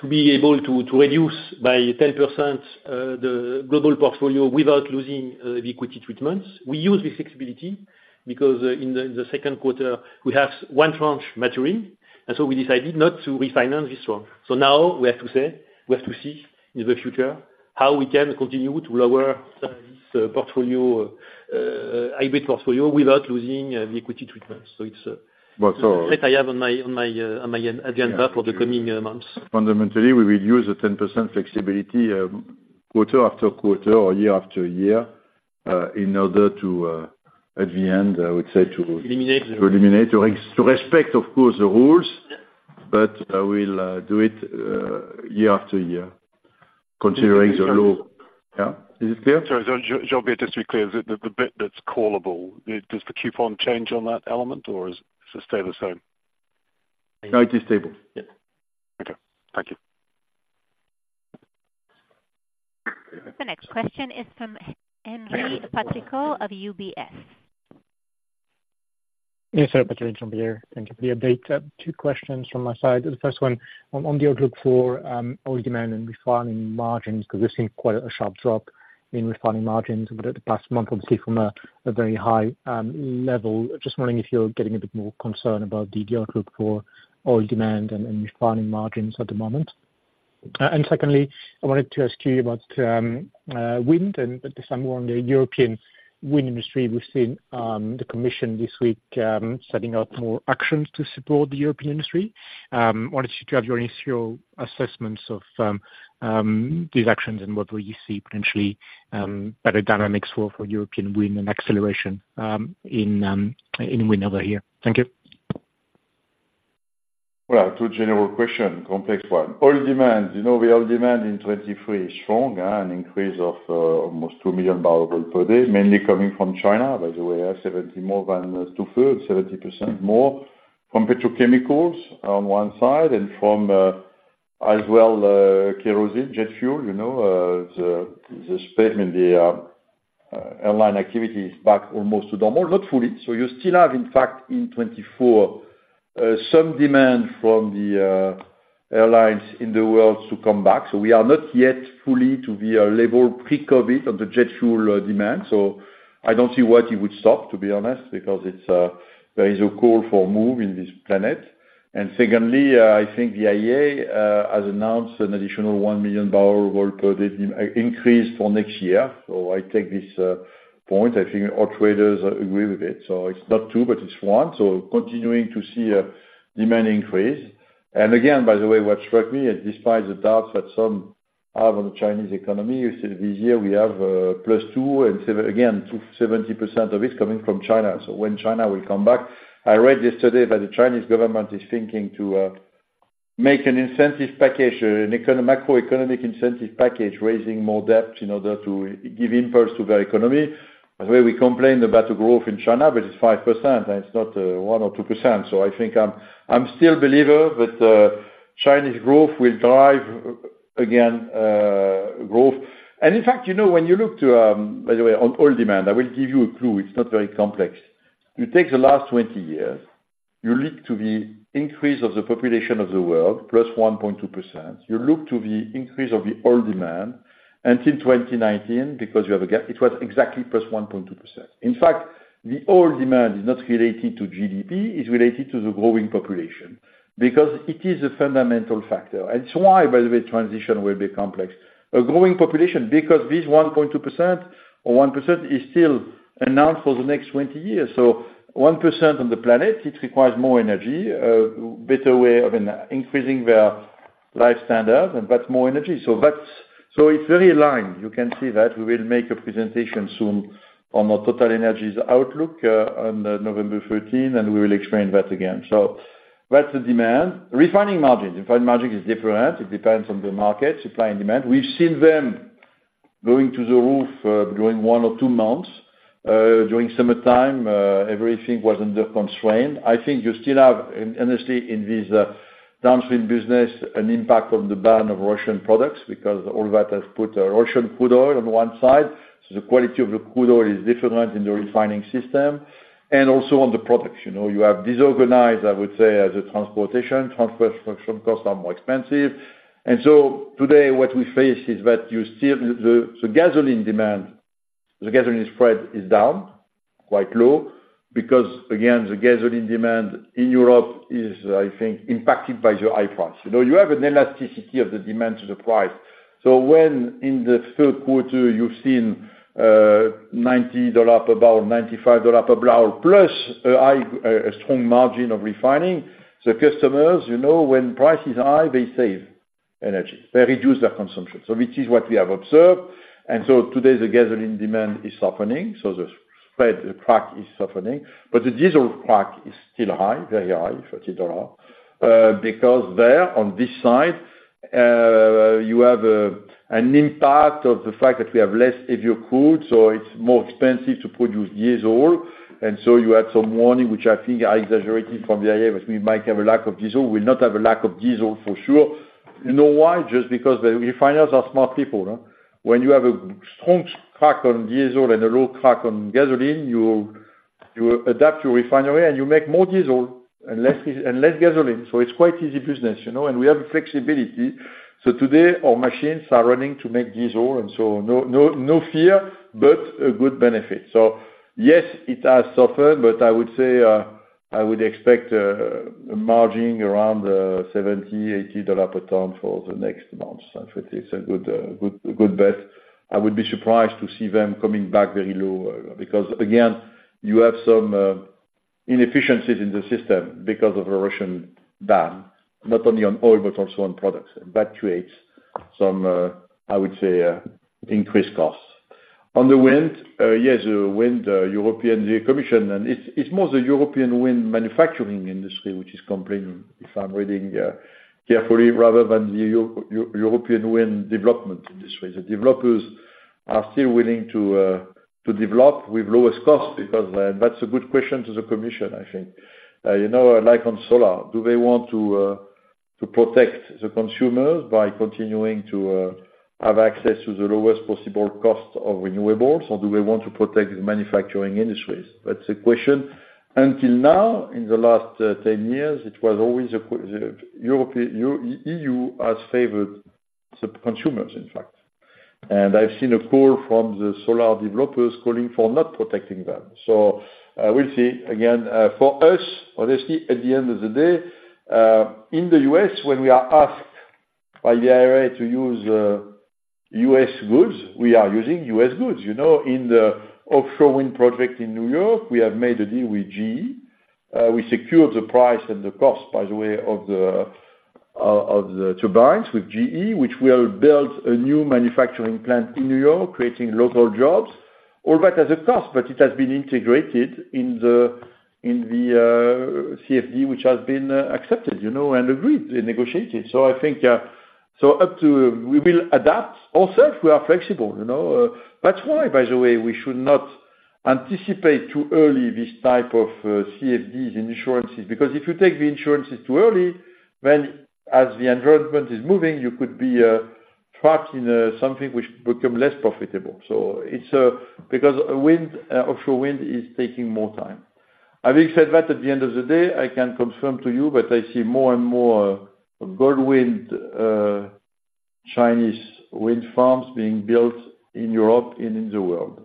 to be able to reduce by 10% the global portfolio without losing the equity treatments. We use this flexibility because in the second quarter, we have one tranche maturing, and so we decided not to refinance this one. So now we have to say, we have to see in the future how we can continue to lower this portfolio, hybrid portfolio, without losing the equity treatment. So it's, But, so- that I have on my agenda for the coming months. Fundamentally, we will use a 10% flexibility, quarter after quarter or year after year, in order to, at the end, I would say to- Eliminate. to respect, of course, the rules. Yeah. We'll do it year after year, considering the law. Yeah. Is it clear? Sorry, Jean, Jean-Pierre, just to be clear, the bit that's callable, does the coupon change on that element, or does it stay the same? No, it is stable. Yes. Okay, thank you. The next question is from Henri Patricot of UBS. Yes, sir, Patrick and Jean-Pierre, thank you for the update. Two questions from my side. The first one on, on the outlook for, oil demand and refining margins, because we've seen quite a sharp drop in refining margins within the past month, obviously from a, a very high, level. Just wondering if you're getting a bit more concerned about the outlook for oil demand and, and refining margins at the moment? And secondly, I wanted to ask you about, wind, and this time more on the European wind industry. We've seen, the commission this week, setting out more actions to support the European industry. Wanted you to have your initial assessments of, these actions and what will you see potentially, better dynamics for, for European wind and acceleration, in, in wind over here. Thank you. Well, two general questions, complex one. Oil demand, you know, the oil demand in 2023 is strong, an increase of almost 2 million barrels per day, mainly coming from China, by the way, more than two-thirds, 70% more from petrochemicals on one side and from as well, kerosene, jet fuel, you know, the pace in the airline activity is back almost to normal, not fully. So you still have, in fact, in 2024, some demand from the airlines in the world to come back. So we are not yet fully to the level pre-COVID on the jet fuel demand. So I don't see why it would stop, to be honest, because it's there is a call to move in this planet. Secondly, I think the IEA has announced an additional 1 million barrels of oil per day increase for next year. So I take this point, I think all traders agree with it. So it's not 2, but it's 1, so continuing to see a demand increase. Again, by the way, what struck me is despite the doubts that some have on the Chinese economy, you see this year we have +2.7, again, 70% of it coming from China. So when China will come back, I read yesterday that the Chinese government is thinking to make an incentive package, a macroeconomic incentive package, raising more debt in order to give impulse to their economy. By the way, we complain about the growth in China, but it's 5%, and it's not 1% or 2%. So I think I'm still a believer that Chinese growth will drive again growth. And in fact, you know, when you look to... By the way, on oil demand, I will give you a clue. It's not very complex. You take the last 20 years, you look to the increase of the population of the world, plus 1.2%. You look to the increase of the oil demand, and since 2019, because you have a gap, it was exactly plus 1.2%. In fact, the oil demand is not related to GDP, it's related to the growing population, because it is a fundamental factor. And it's why, by the way, transition will be complex. A growing population, because this 1.2% or 1% is still announced for the next 20 years. So 1% on the planet, it requires more energy, a better way of increasing their life standards, and that's more energy. So it's very aligned, you can see that. We will make a presentation soon on the TotalEnergies outlook on November 13, and we will explain that again. So that's the demand. Refining margin, refining margin is different, it depends on the market, supply and demand. We've seen them going through the roof during one or two months. During summertime, everything was under constraint. I think you still have, and honestly, in this downstream business, an impact on the ban of Russian products, because all that has put a Russian crude oil on one side. So the quality of the crude oil is different in the refining system, and also on the products. You know, you have disorganized, I would say, the transportation. Transportation costs are more expensive. And so today, what we face is that you still—the gasoline demand, the gasoline spread is down, quite low, because, again, the gasoline demand in Europe is, I think, impacted by the high price. You know, you have an elasticity of the demand to the price. So when in the third quarter you've seen $90 per barrel, $95 per barrel, plus a high, a strong margin of refining, the customers, you know, when price is high, they save energy. They reduce their consumption. So which is what we have observed, and so today, the gasoline demand is softening, so the spread, the crack is softening. But the diesel crack is still high, very high, $30, because there, on this side, you have an impact of the fact that we have less heavier crude, so it's more expensive to produce diesel. And so you had some warning, which I think are exaggerated from the IEA, but we might have a lack of diesel. We'll not have a lack of diesel, for sure. You know why? Just because the refiners are smart people, huh. When you have a strong crack on diesel and a low crack on gasoline, you adapt your refinery and you make more diesel and less and less gasoline. So it's quite easy business, you know, and we have flexibility. So today, our machines are running to make diesel, and so no, no, no fear, but a good benefit. So yes, it has suffered, but I would say, I would expect, a margin around $70-$80 per ton for the next months. I think it's a good, good, good bet. I would be surprised to see them coming back very low, because again, you have some, inefficiencies in the system because of the Russian ban, not only on oil, but also on products. That creates some, I would say, increased costs. On the wind, yes, the wind, the European Commission, and it's, it's more the European wind manufacturing industry which is complaining, if I'm reading, carefully, rather than the European wind development industry. The developers are still willing to, to develop with lowest cost, because, that's a good question to the commission, I think. You know, like on solar, do they want to protect the consumers by continuing to have access to the lowest possible cost of renewables, or do they want to protect the manufacturing industries? That's the question. Until now, in the last 10 years, it was always the EU has favored the consumers, in fact. I've seen a call from the solar developers calling for not protecting them. I will see. Again, for us, honestly, at the end of the day, in the U.S., when we are asked by the IRA to use U.S. goods, we are using U.S. goods. You know, in the offshore wind project in New York, we have made a deal with GE. We secured the price and the cost, by the way, of the turbines with GE, which will build a new manufacturing plant in New York, creating local jobs. All that has a cost, but it has been integrated in the CfD, which has been accepted, you know, and agreed and negotiated. So I think, so up to... We will adapt ourselves, we are flexible, you know? That's why, by the way, we should not anticipate too early this type of CfDs in insurances, because if you take the insurances too early, then as the environment is moving, you could be trapped in something which become less profitable. So it's because wind-offshore wind is taking more time. Having said that, at the end of the day, I can confirm to you that I see more and more Goldwind, Chinese wind farms being built in Europe and in the world.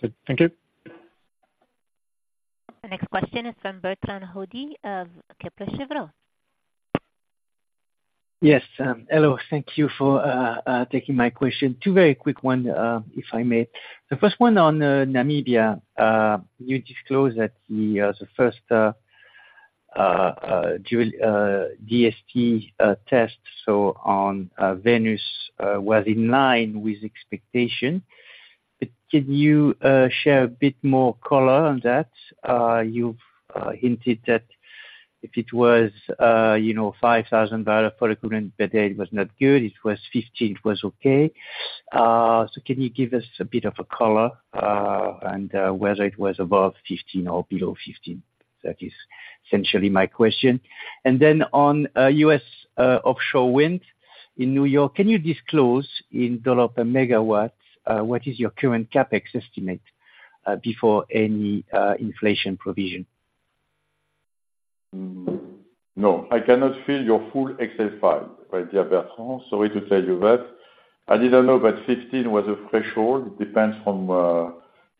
Good. Thank you. The next question is from Bertrand Hodée of Kepler Cheuvreux. Yes, hello. Thank you for taking my question. Two very quick ones, if I may. The first one on Namibia, you disclosed that the first dual DST test on Venus was in line with expectation. But can you share a bit more color on that? You've hinted that if it was, you know, 5,000 barrels of oil equivalent per day, it was not good, it was 15, it was okay. So can you give us a bit of a color, and whether it was above 15 or below 15? That is essentially my question. And then on U.S. offshore wind in New York, can you disclose, in dollars per megawatt, what is your current CapEx estimate, before any inflation provision? No, I cannot fill your full Excel file, my dear Bertrand. Sorry to tell you that. I didn't know that 15 was a threshold. It depends from.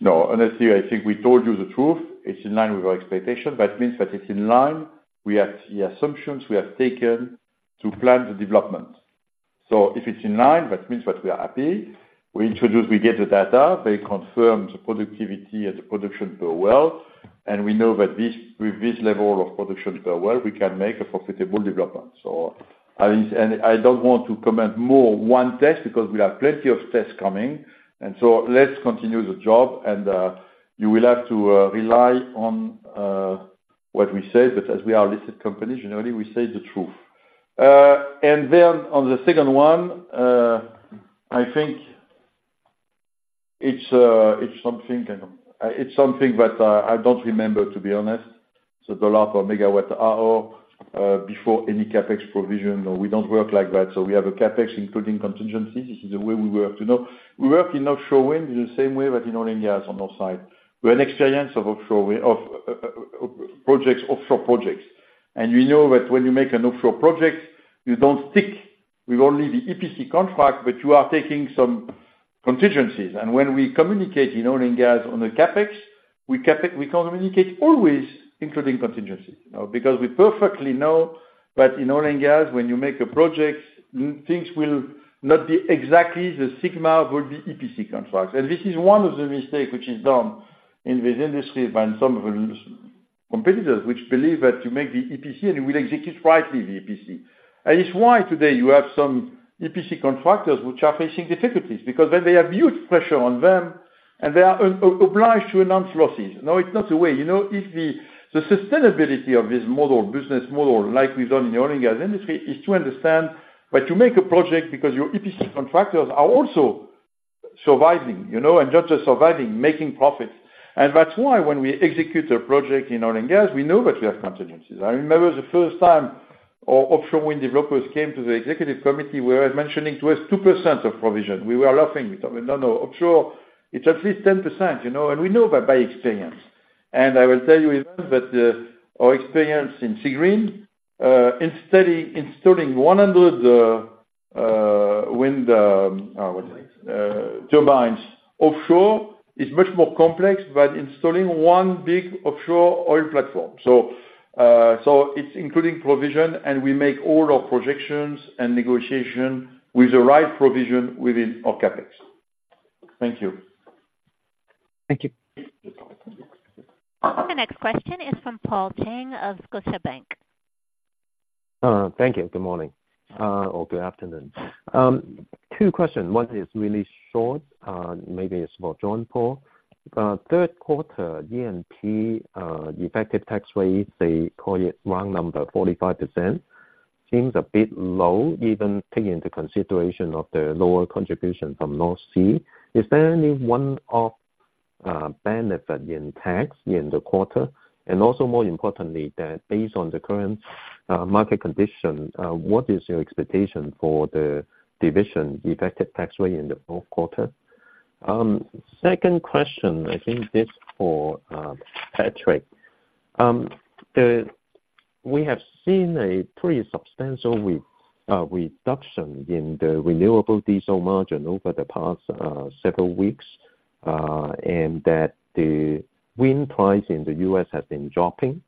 No, honestly, I think we told you the truth. It's in line with our expectation. That means that it's in line. We have the assumptions we have taken to plan the development. So if it's in line, that means that we are happy. We get the data, they confirm the productivity and the production per well, and we know that this, with this level of production per well, we can make a profitable development. So I mean, and I don't want to comment more one test, because we have plenty of tests coming. And so let's continue the job, and you will have to rely on what we say, but as we are a listed company, generally, we say the truth. And then on the second one, I think it's something, it's something that I don't remember, to be honest. So $ per megawatt hour, before any CapEx provision, no, we don't work like that. So we have a CapEx, including contingencies. This is the way we work. You know, we work in offshore wind in the same way that in oil and gas on our side. We have an experience of offshore wind of projects, offshore projects. And we know that when you make an offshore project, you don't stick with only the EPC contract, but you are taking some contingencies. When we communicate in oil and gas on the CapEx, we communicate always including contingency. Because we perfectly know that in oil and gas, when you make a project, things will not be exactly the same as would be EPC contracts. This is one of the mistake which is done in this industry by some of the competitors, which believe that you make the EPC, and it will execute rightly, the EPC. It's why today you have some EPC contractors which are facing difficulties, because then they have huge pressure on them, and they are obliged to announce losses. No, it's not the way. You know, if the sustainability of this model, business model, like we've done in the oil and gas industry, is to understand that you make a project because your EPC contractors are also surviving, you know, and not just surviving, making profits. And that's why when we execute a project in oil and gas, we know that we have contingencies. I remember the first time our offshore wind developers came to the executive committee, we were mentioning it was 2% of provision. We were laughing. We thought, "No, no, offshore, it's at least 10%," you know, and we know that by experience. And I will tell you even that, our experience in Seagreen instead installing 100 wind turbines offshore is much more complex than installing one big offshore oil platform. It's including provision, and we make all our projections and negotiation with the right provision within our CapEx. Thank you. Thank you. The next question is from Paul Cheng of Scotiabank. Thank you. Good morning or good afternoon. Two questions. One is really short, maybe it's for Jean-Pierre. Third quarter E&P effective tax rate, they call it round number 45%, seems a bit low, even taking into consideration of the lower contribution from North Sea. Is there any one-off benefit in tax in the quarter? And also, more importantly, that based on the current market condition, what is your expectation for the division effective tax rate in the fourth quarter? Second question, I think this for Patrick. The... We have seen a pretty substantial reduction in the renewable diesel margin over the past several weeks, and that the wind price in the US has been dropping, and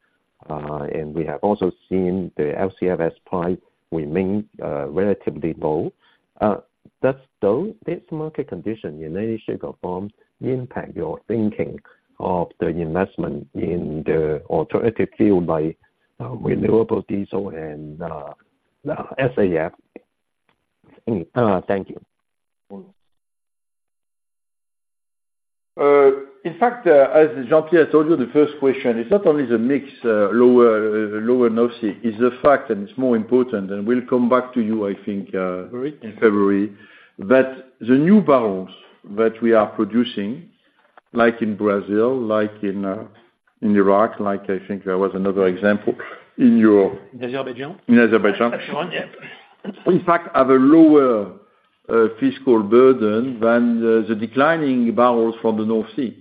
we have also seen the LCFS price remain relatively low. Does, though, this market condition in any shape or form impact your thinking of the investment in the alternative fuels, like, renewable diesel and SAF? Thank you. in fact, as Jean-Pierre told you, the first question, it's not only the mix, lower North Sea, is the fact, and it's more important, and we'll come back to you, I think, in February, that the new barrels that we are producing, like in Brazil, like in, in Iraq, like I think there was another example in Europe. Azerbaijan? In Azerbaijan. Yeah. In fact, have a lower fiscal burden than the declining barrels from the North Sea.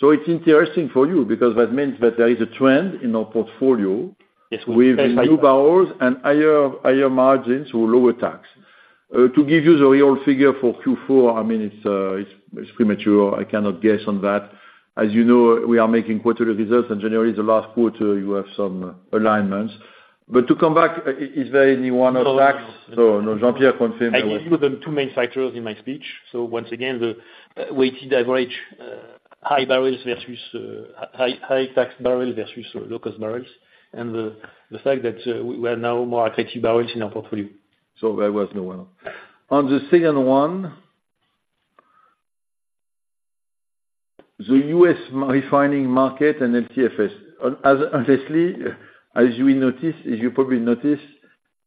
So it's interesting for you, because that means that there is a trend in our portfolio- Yes. With new barrels and higher, higher margins, so lower tax. To give you the real figure for Q4, I mean, it's premature. I cannot guess on that. As you know, we are making quarterly results, and generally, the last quarter, you have some alignments. But to come back, is there anyone on tax? No, no, Jean-Pierre confirmed that- I gave you the two main factors in my speech. So once again, the weighted average, high barrels versus high tax barrels versus low-cost barrels, and the fact that we are now more attractive barrels in our portfolio. So there was no one. On the second one, the U.S. refining market and LCFS, as, obviously, as you notice, as you probably noticed,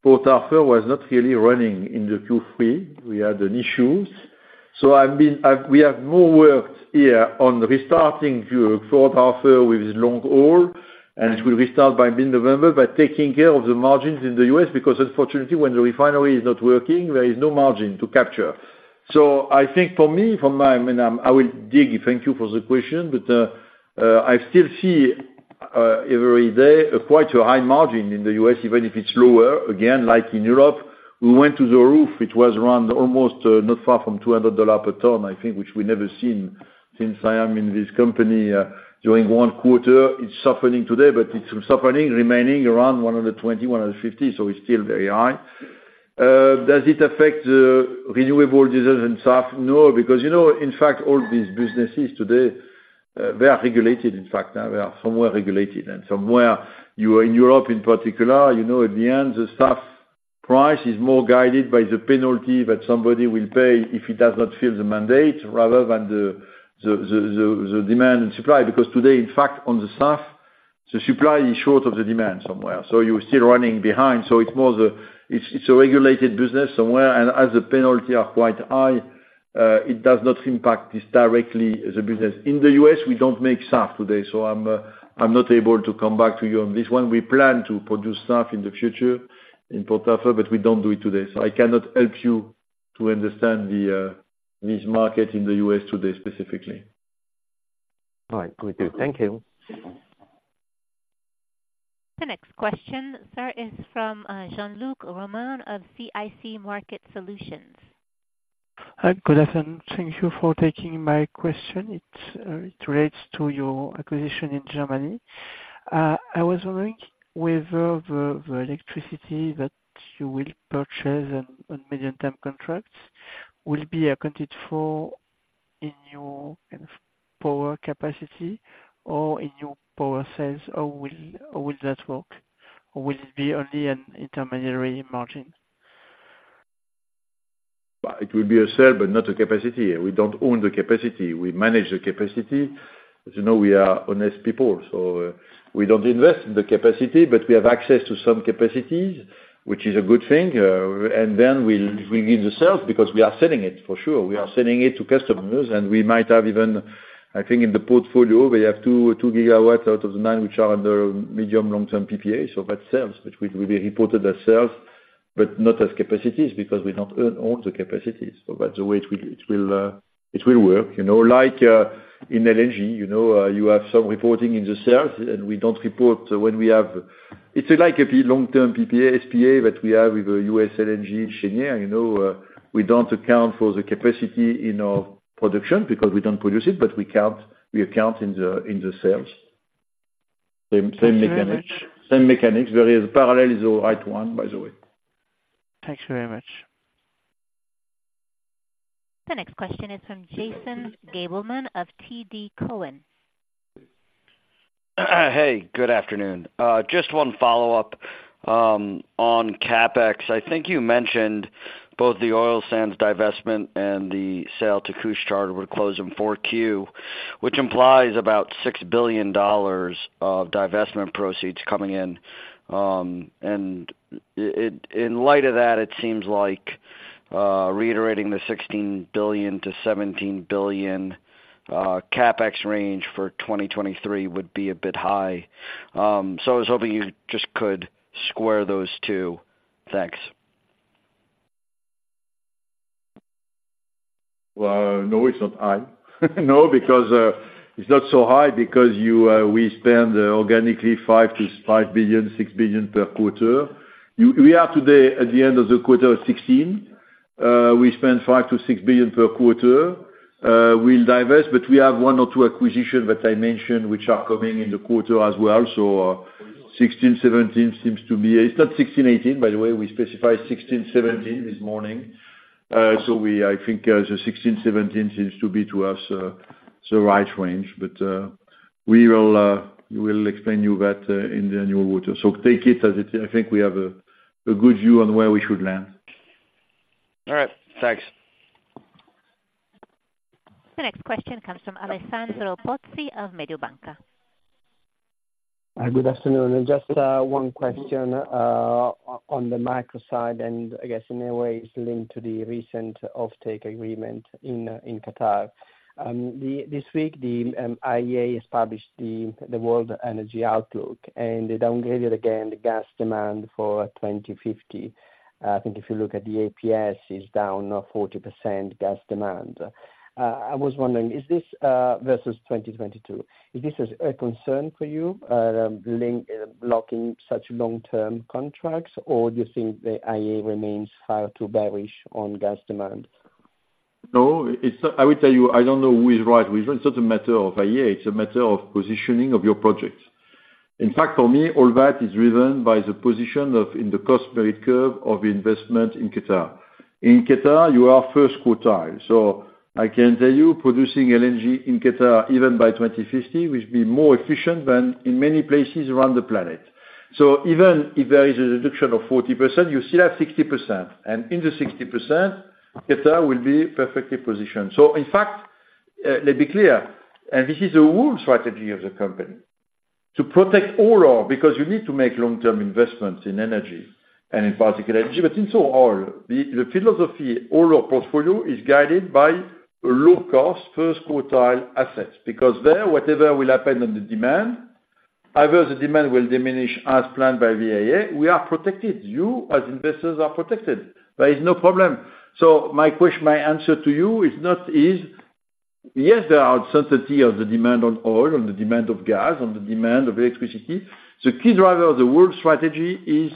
Port Arthur was not really running in the Q3. We had some issues. So we have more work here on restarting Port Arthur with long haul, and it will restart by mid-November, but taking care of the margins in the U.S., because unfortunately, when the refinery is not working, there is no margin to capture. So I think for me, from my, I mean, I will dig, thank you for the question, but I still see every day, quite a high margin in the U.S., even if it's lower, again, like in Europe. We went to the roof, it was around almost, not far from $200 per ton, I think, which we never seen since I am in this company, during one quarter. It's softening today, but it's softening, remaining around 120, 150, so it's still very high. Does it affect the renewable business and ETS? No, because, you know, in fact, all these businesses today, they are regulated, in fact, now they are somewhat regulated, and somewhere, you are in Europe in particular, you know, at the end, the ETS price is more guided by the penalty that somebody will pay if he does not fill the mandate, rather than the demand and supply. Because today, in fact, on the ETS, the supply is short of the demand somewhere, so you're still running behind. So it's more, it's a regulated business somewhere, and as the penalties are quite high, it does not impact this directly, the business. In the US, we don't make SAF today, so I'm not able to come back to you on this one. We plan to produce SAF in the future in Port Arthur, but we don't do it today. So I cannot help you to understand this market in the US today, specifically. All right, we do. Thank you. The next question, sir, is from Jean-Luc Romain of CIC Market Solutions. Hi, good afternoon. Thank you for taking my question. It, it relates to your acquisition in Germany. I was wondering whether the electricity that you will purchase on medium-term contracts will be accounted for in your power capacity or in your power sales, or will that work? Or will it be only an intermediary margin? It will be a sale, but not a capacity. We don't own the capacity, we manage the capacity. As you know, we are honest people, so, we don't invest in the capacity, but we have access to some capacity, which is a good thing, and then we'll bring in the sales, because we are selling it for sure. We are selling it to customers, and we might have even, I think in the portfolio, we have 2, 2 gigawatts out of the 9, which are under medium, long-term PPA, so that's sales. Which will be reported as sales, but not as capacities, because we not own the capacities. So that's the way it will, it will, it will work. You know, like, in LNG, you know, you have some reporting in the sales, and we don't report when we have... It's like a long-term PPA, SPA, that we have with U.S. LNG Cheniere. You know, we don't account for the capacity in our production because we don't produce it, but we count, we account in the, in the sales. Same, same mechanics, same mechanics, whereas parallel is the right one, by the way. Thanks very much. The next question is from Jason Gabelman of TD Cowen. Hey, good afternoon. Just one follow-up on CapEx. I think you mentioned both the oil sands divestment and the sale to Couche-Tard would close in Q4, which implies about $6 billion of divestment proceeds coming in, and in light of that, it seems like reiterating the $16 billion-$17 billion CapEx range for 2023 would be a bit high. So I was hoping you just could square those two. Thanks. Well, no, it's not high. No, because, it's not so high because you, we spend organically 5-6 billion per quarter. We are today, at the end of the quarter, 16. We spend 5-6 billion per quarter, we'll divest, but we have one or two acquisitions that I mentioned, which are coming in the quarter as well. So 16-17 seems to be... It's not 16-18, by the way. We specified 16-17 this morning. So we, I think, the 16-17 seems to be, to us, the right range. But, we will, we will explain you that, in the annual quarter. So take it as it is. I think we have a, a good view on where we should land. All right, thanks. The next question comes from Alessandro Pozzi of Mediobanca. Good afternoon. Just one question on the micro side, and I guess in a way, it's linked to the recent offtake agreement in Qatar. This week, the IEA has published the World Energy Outlook, and they downgraded again the gas demand for 2050. I think if you look at the APS, it's down 40% gas demand. I was wondering, is this versus 2022 a concern for you, locking such long-term contracts, or do you think the IEA remains far too bearish on gas demand? No, it's. I would tell you, I don't know who is right. It's not a matter of IEA, it's a matter of positioning of your project. In fact, for me, all that is driven by the position of in the cost merit curve of investment in Qatar. In Qatar, you are first quartile, so I can tell you producing LNG in Qatar, even by 2050, will be more efficient than in many places around the planet. So even if there is a reduction of 40%, you still have 60%, and in the 60%, Qatar will be perfectly positioned. So in fact, let's be clear, and this is the whole strategy of the company, to protect oil, because you need to make long-term investments in energy, and in particular, energy. But in all, the philosophy, all our portfolio is guided by low cost first quartile assets, because there, whatever will happen on the demand, either the demand will diminish as planned by the IEA, we are protected. You, as investors, are protected. There is no problem. So my answer to you is not is, yes, there are certainty of the demand on oil, on the demand of gas, on the demand of electricity. The key driver of the world strategy is,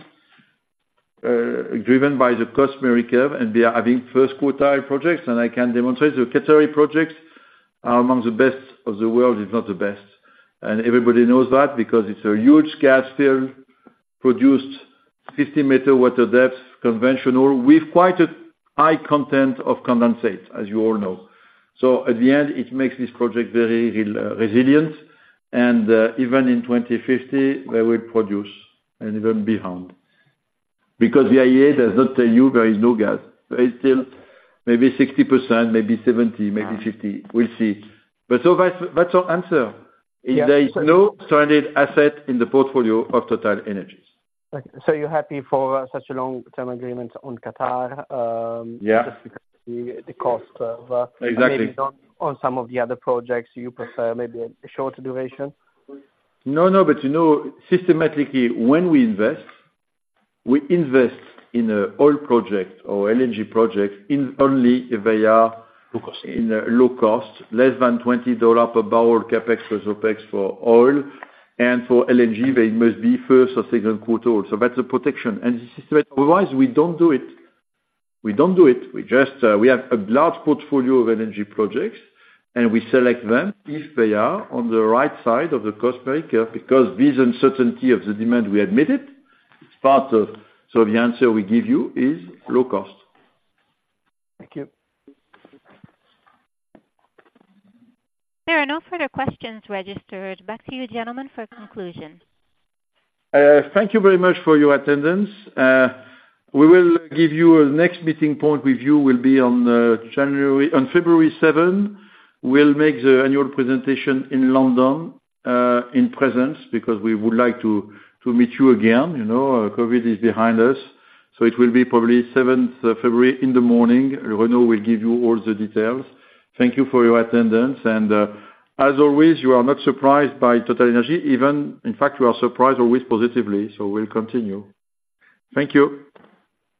driven by the cost merit curve, and we are having first quartile projects, and I can demonstrate the Qatari projects are among the best of the world, if not the best. And everybody knows that, because it's a huge gas field, produced 50-meter water depth, conventional, with quite a high content of condensate, as you all know. So at the end, it makes this project very resilient, and even in 2050, they will produce, and even beyond. Because the IEA does not tell you there is no gas. There is still maybe 60%, maybe 70%, maybe 50%, we'll see. But so that's, that's our answer- Yeah. There is no stranded asset in the portfolio of TotalEnergies. Okay, so you're happy for such a long-term agreement on Qatar. Yeah just because the cost of Exactly. Maybe not on some of the other projects, you prefer maybe a shorter duration? No, no, but, you know, systematically, when we invest, we invest in a oil project or LNG project in only if they are- Low cost in low cost, less than $20 per barrel CapEx plus OpEx for oil, and for LNG, they must be first or second quartile. So that's a protection, and otherwise, we don't do it. We don't do it. We just, we have a large portfolio of energy projects, and we select them if they are on the right side of the cost merit curve, because this uncertainty of the demand, we admit it, it's part of. So the answer we give you is low cost. Thank you. There are no further questions registered. Back to you, gentlemen, for conclusion. Thank you very much for your attendance. We will give you the next meeting point with you will be on January, on February 7. We'll make the annual presentation in London, in presence, because we would like to meet you again. You know, COVID is behind us, so it will be probably seventh February in the morning. Renaud will give you all the details. Thank you for your attendance, and as always, you are not surprised by TotalEnergies, even, in fact, you are surprised always positively, so we'll continue. Thank you.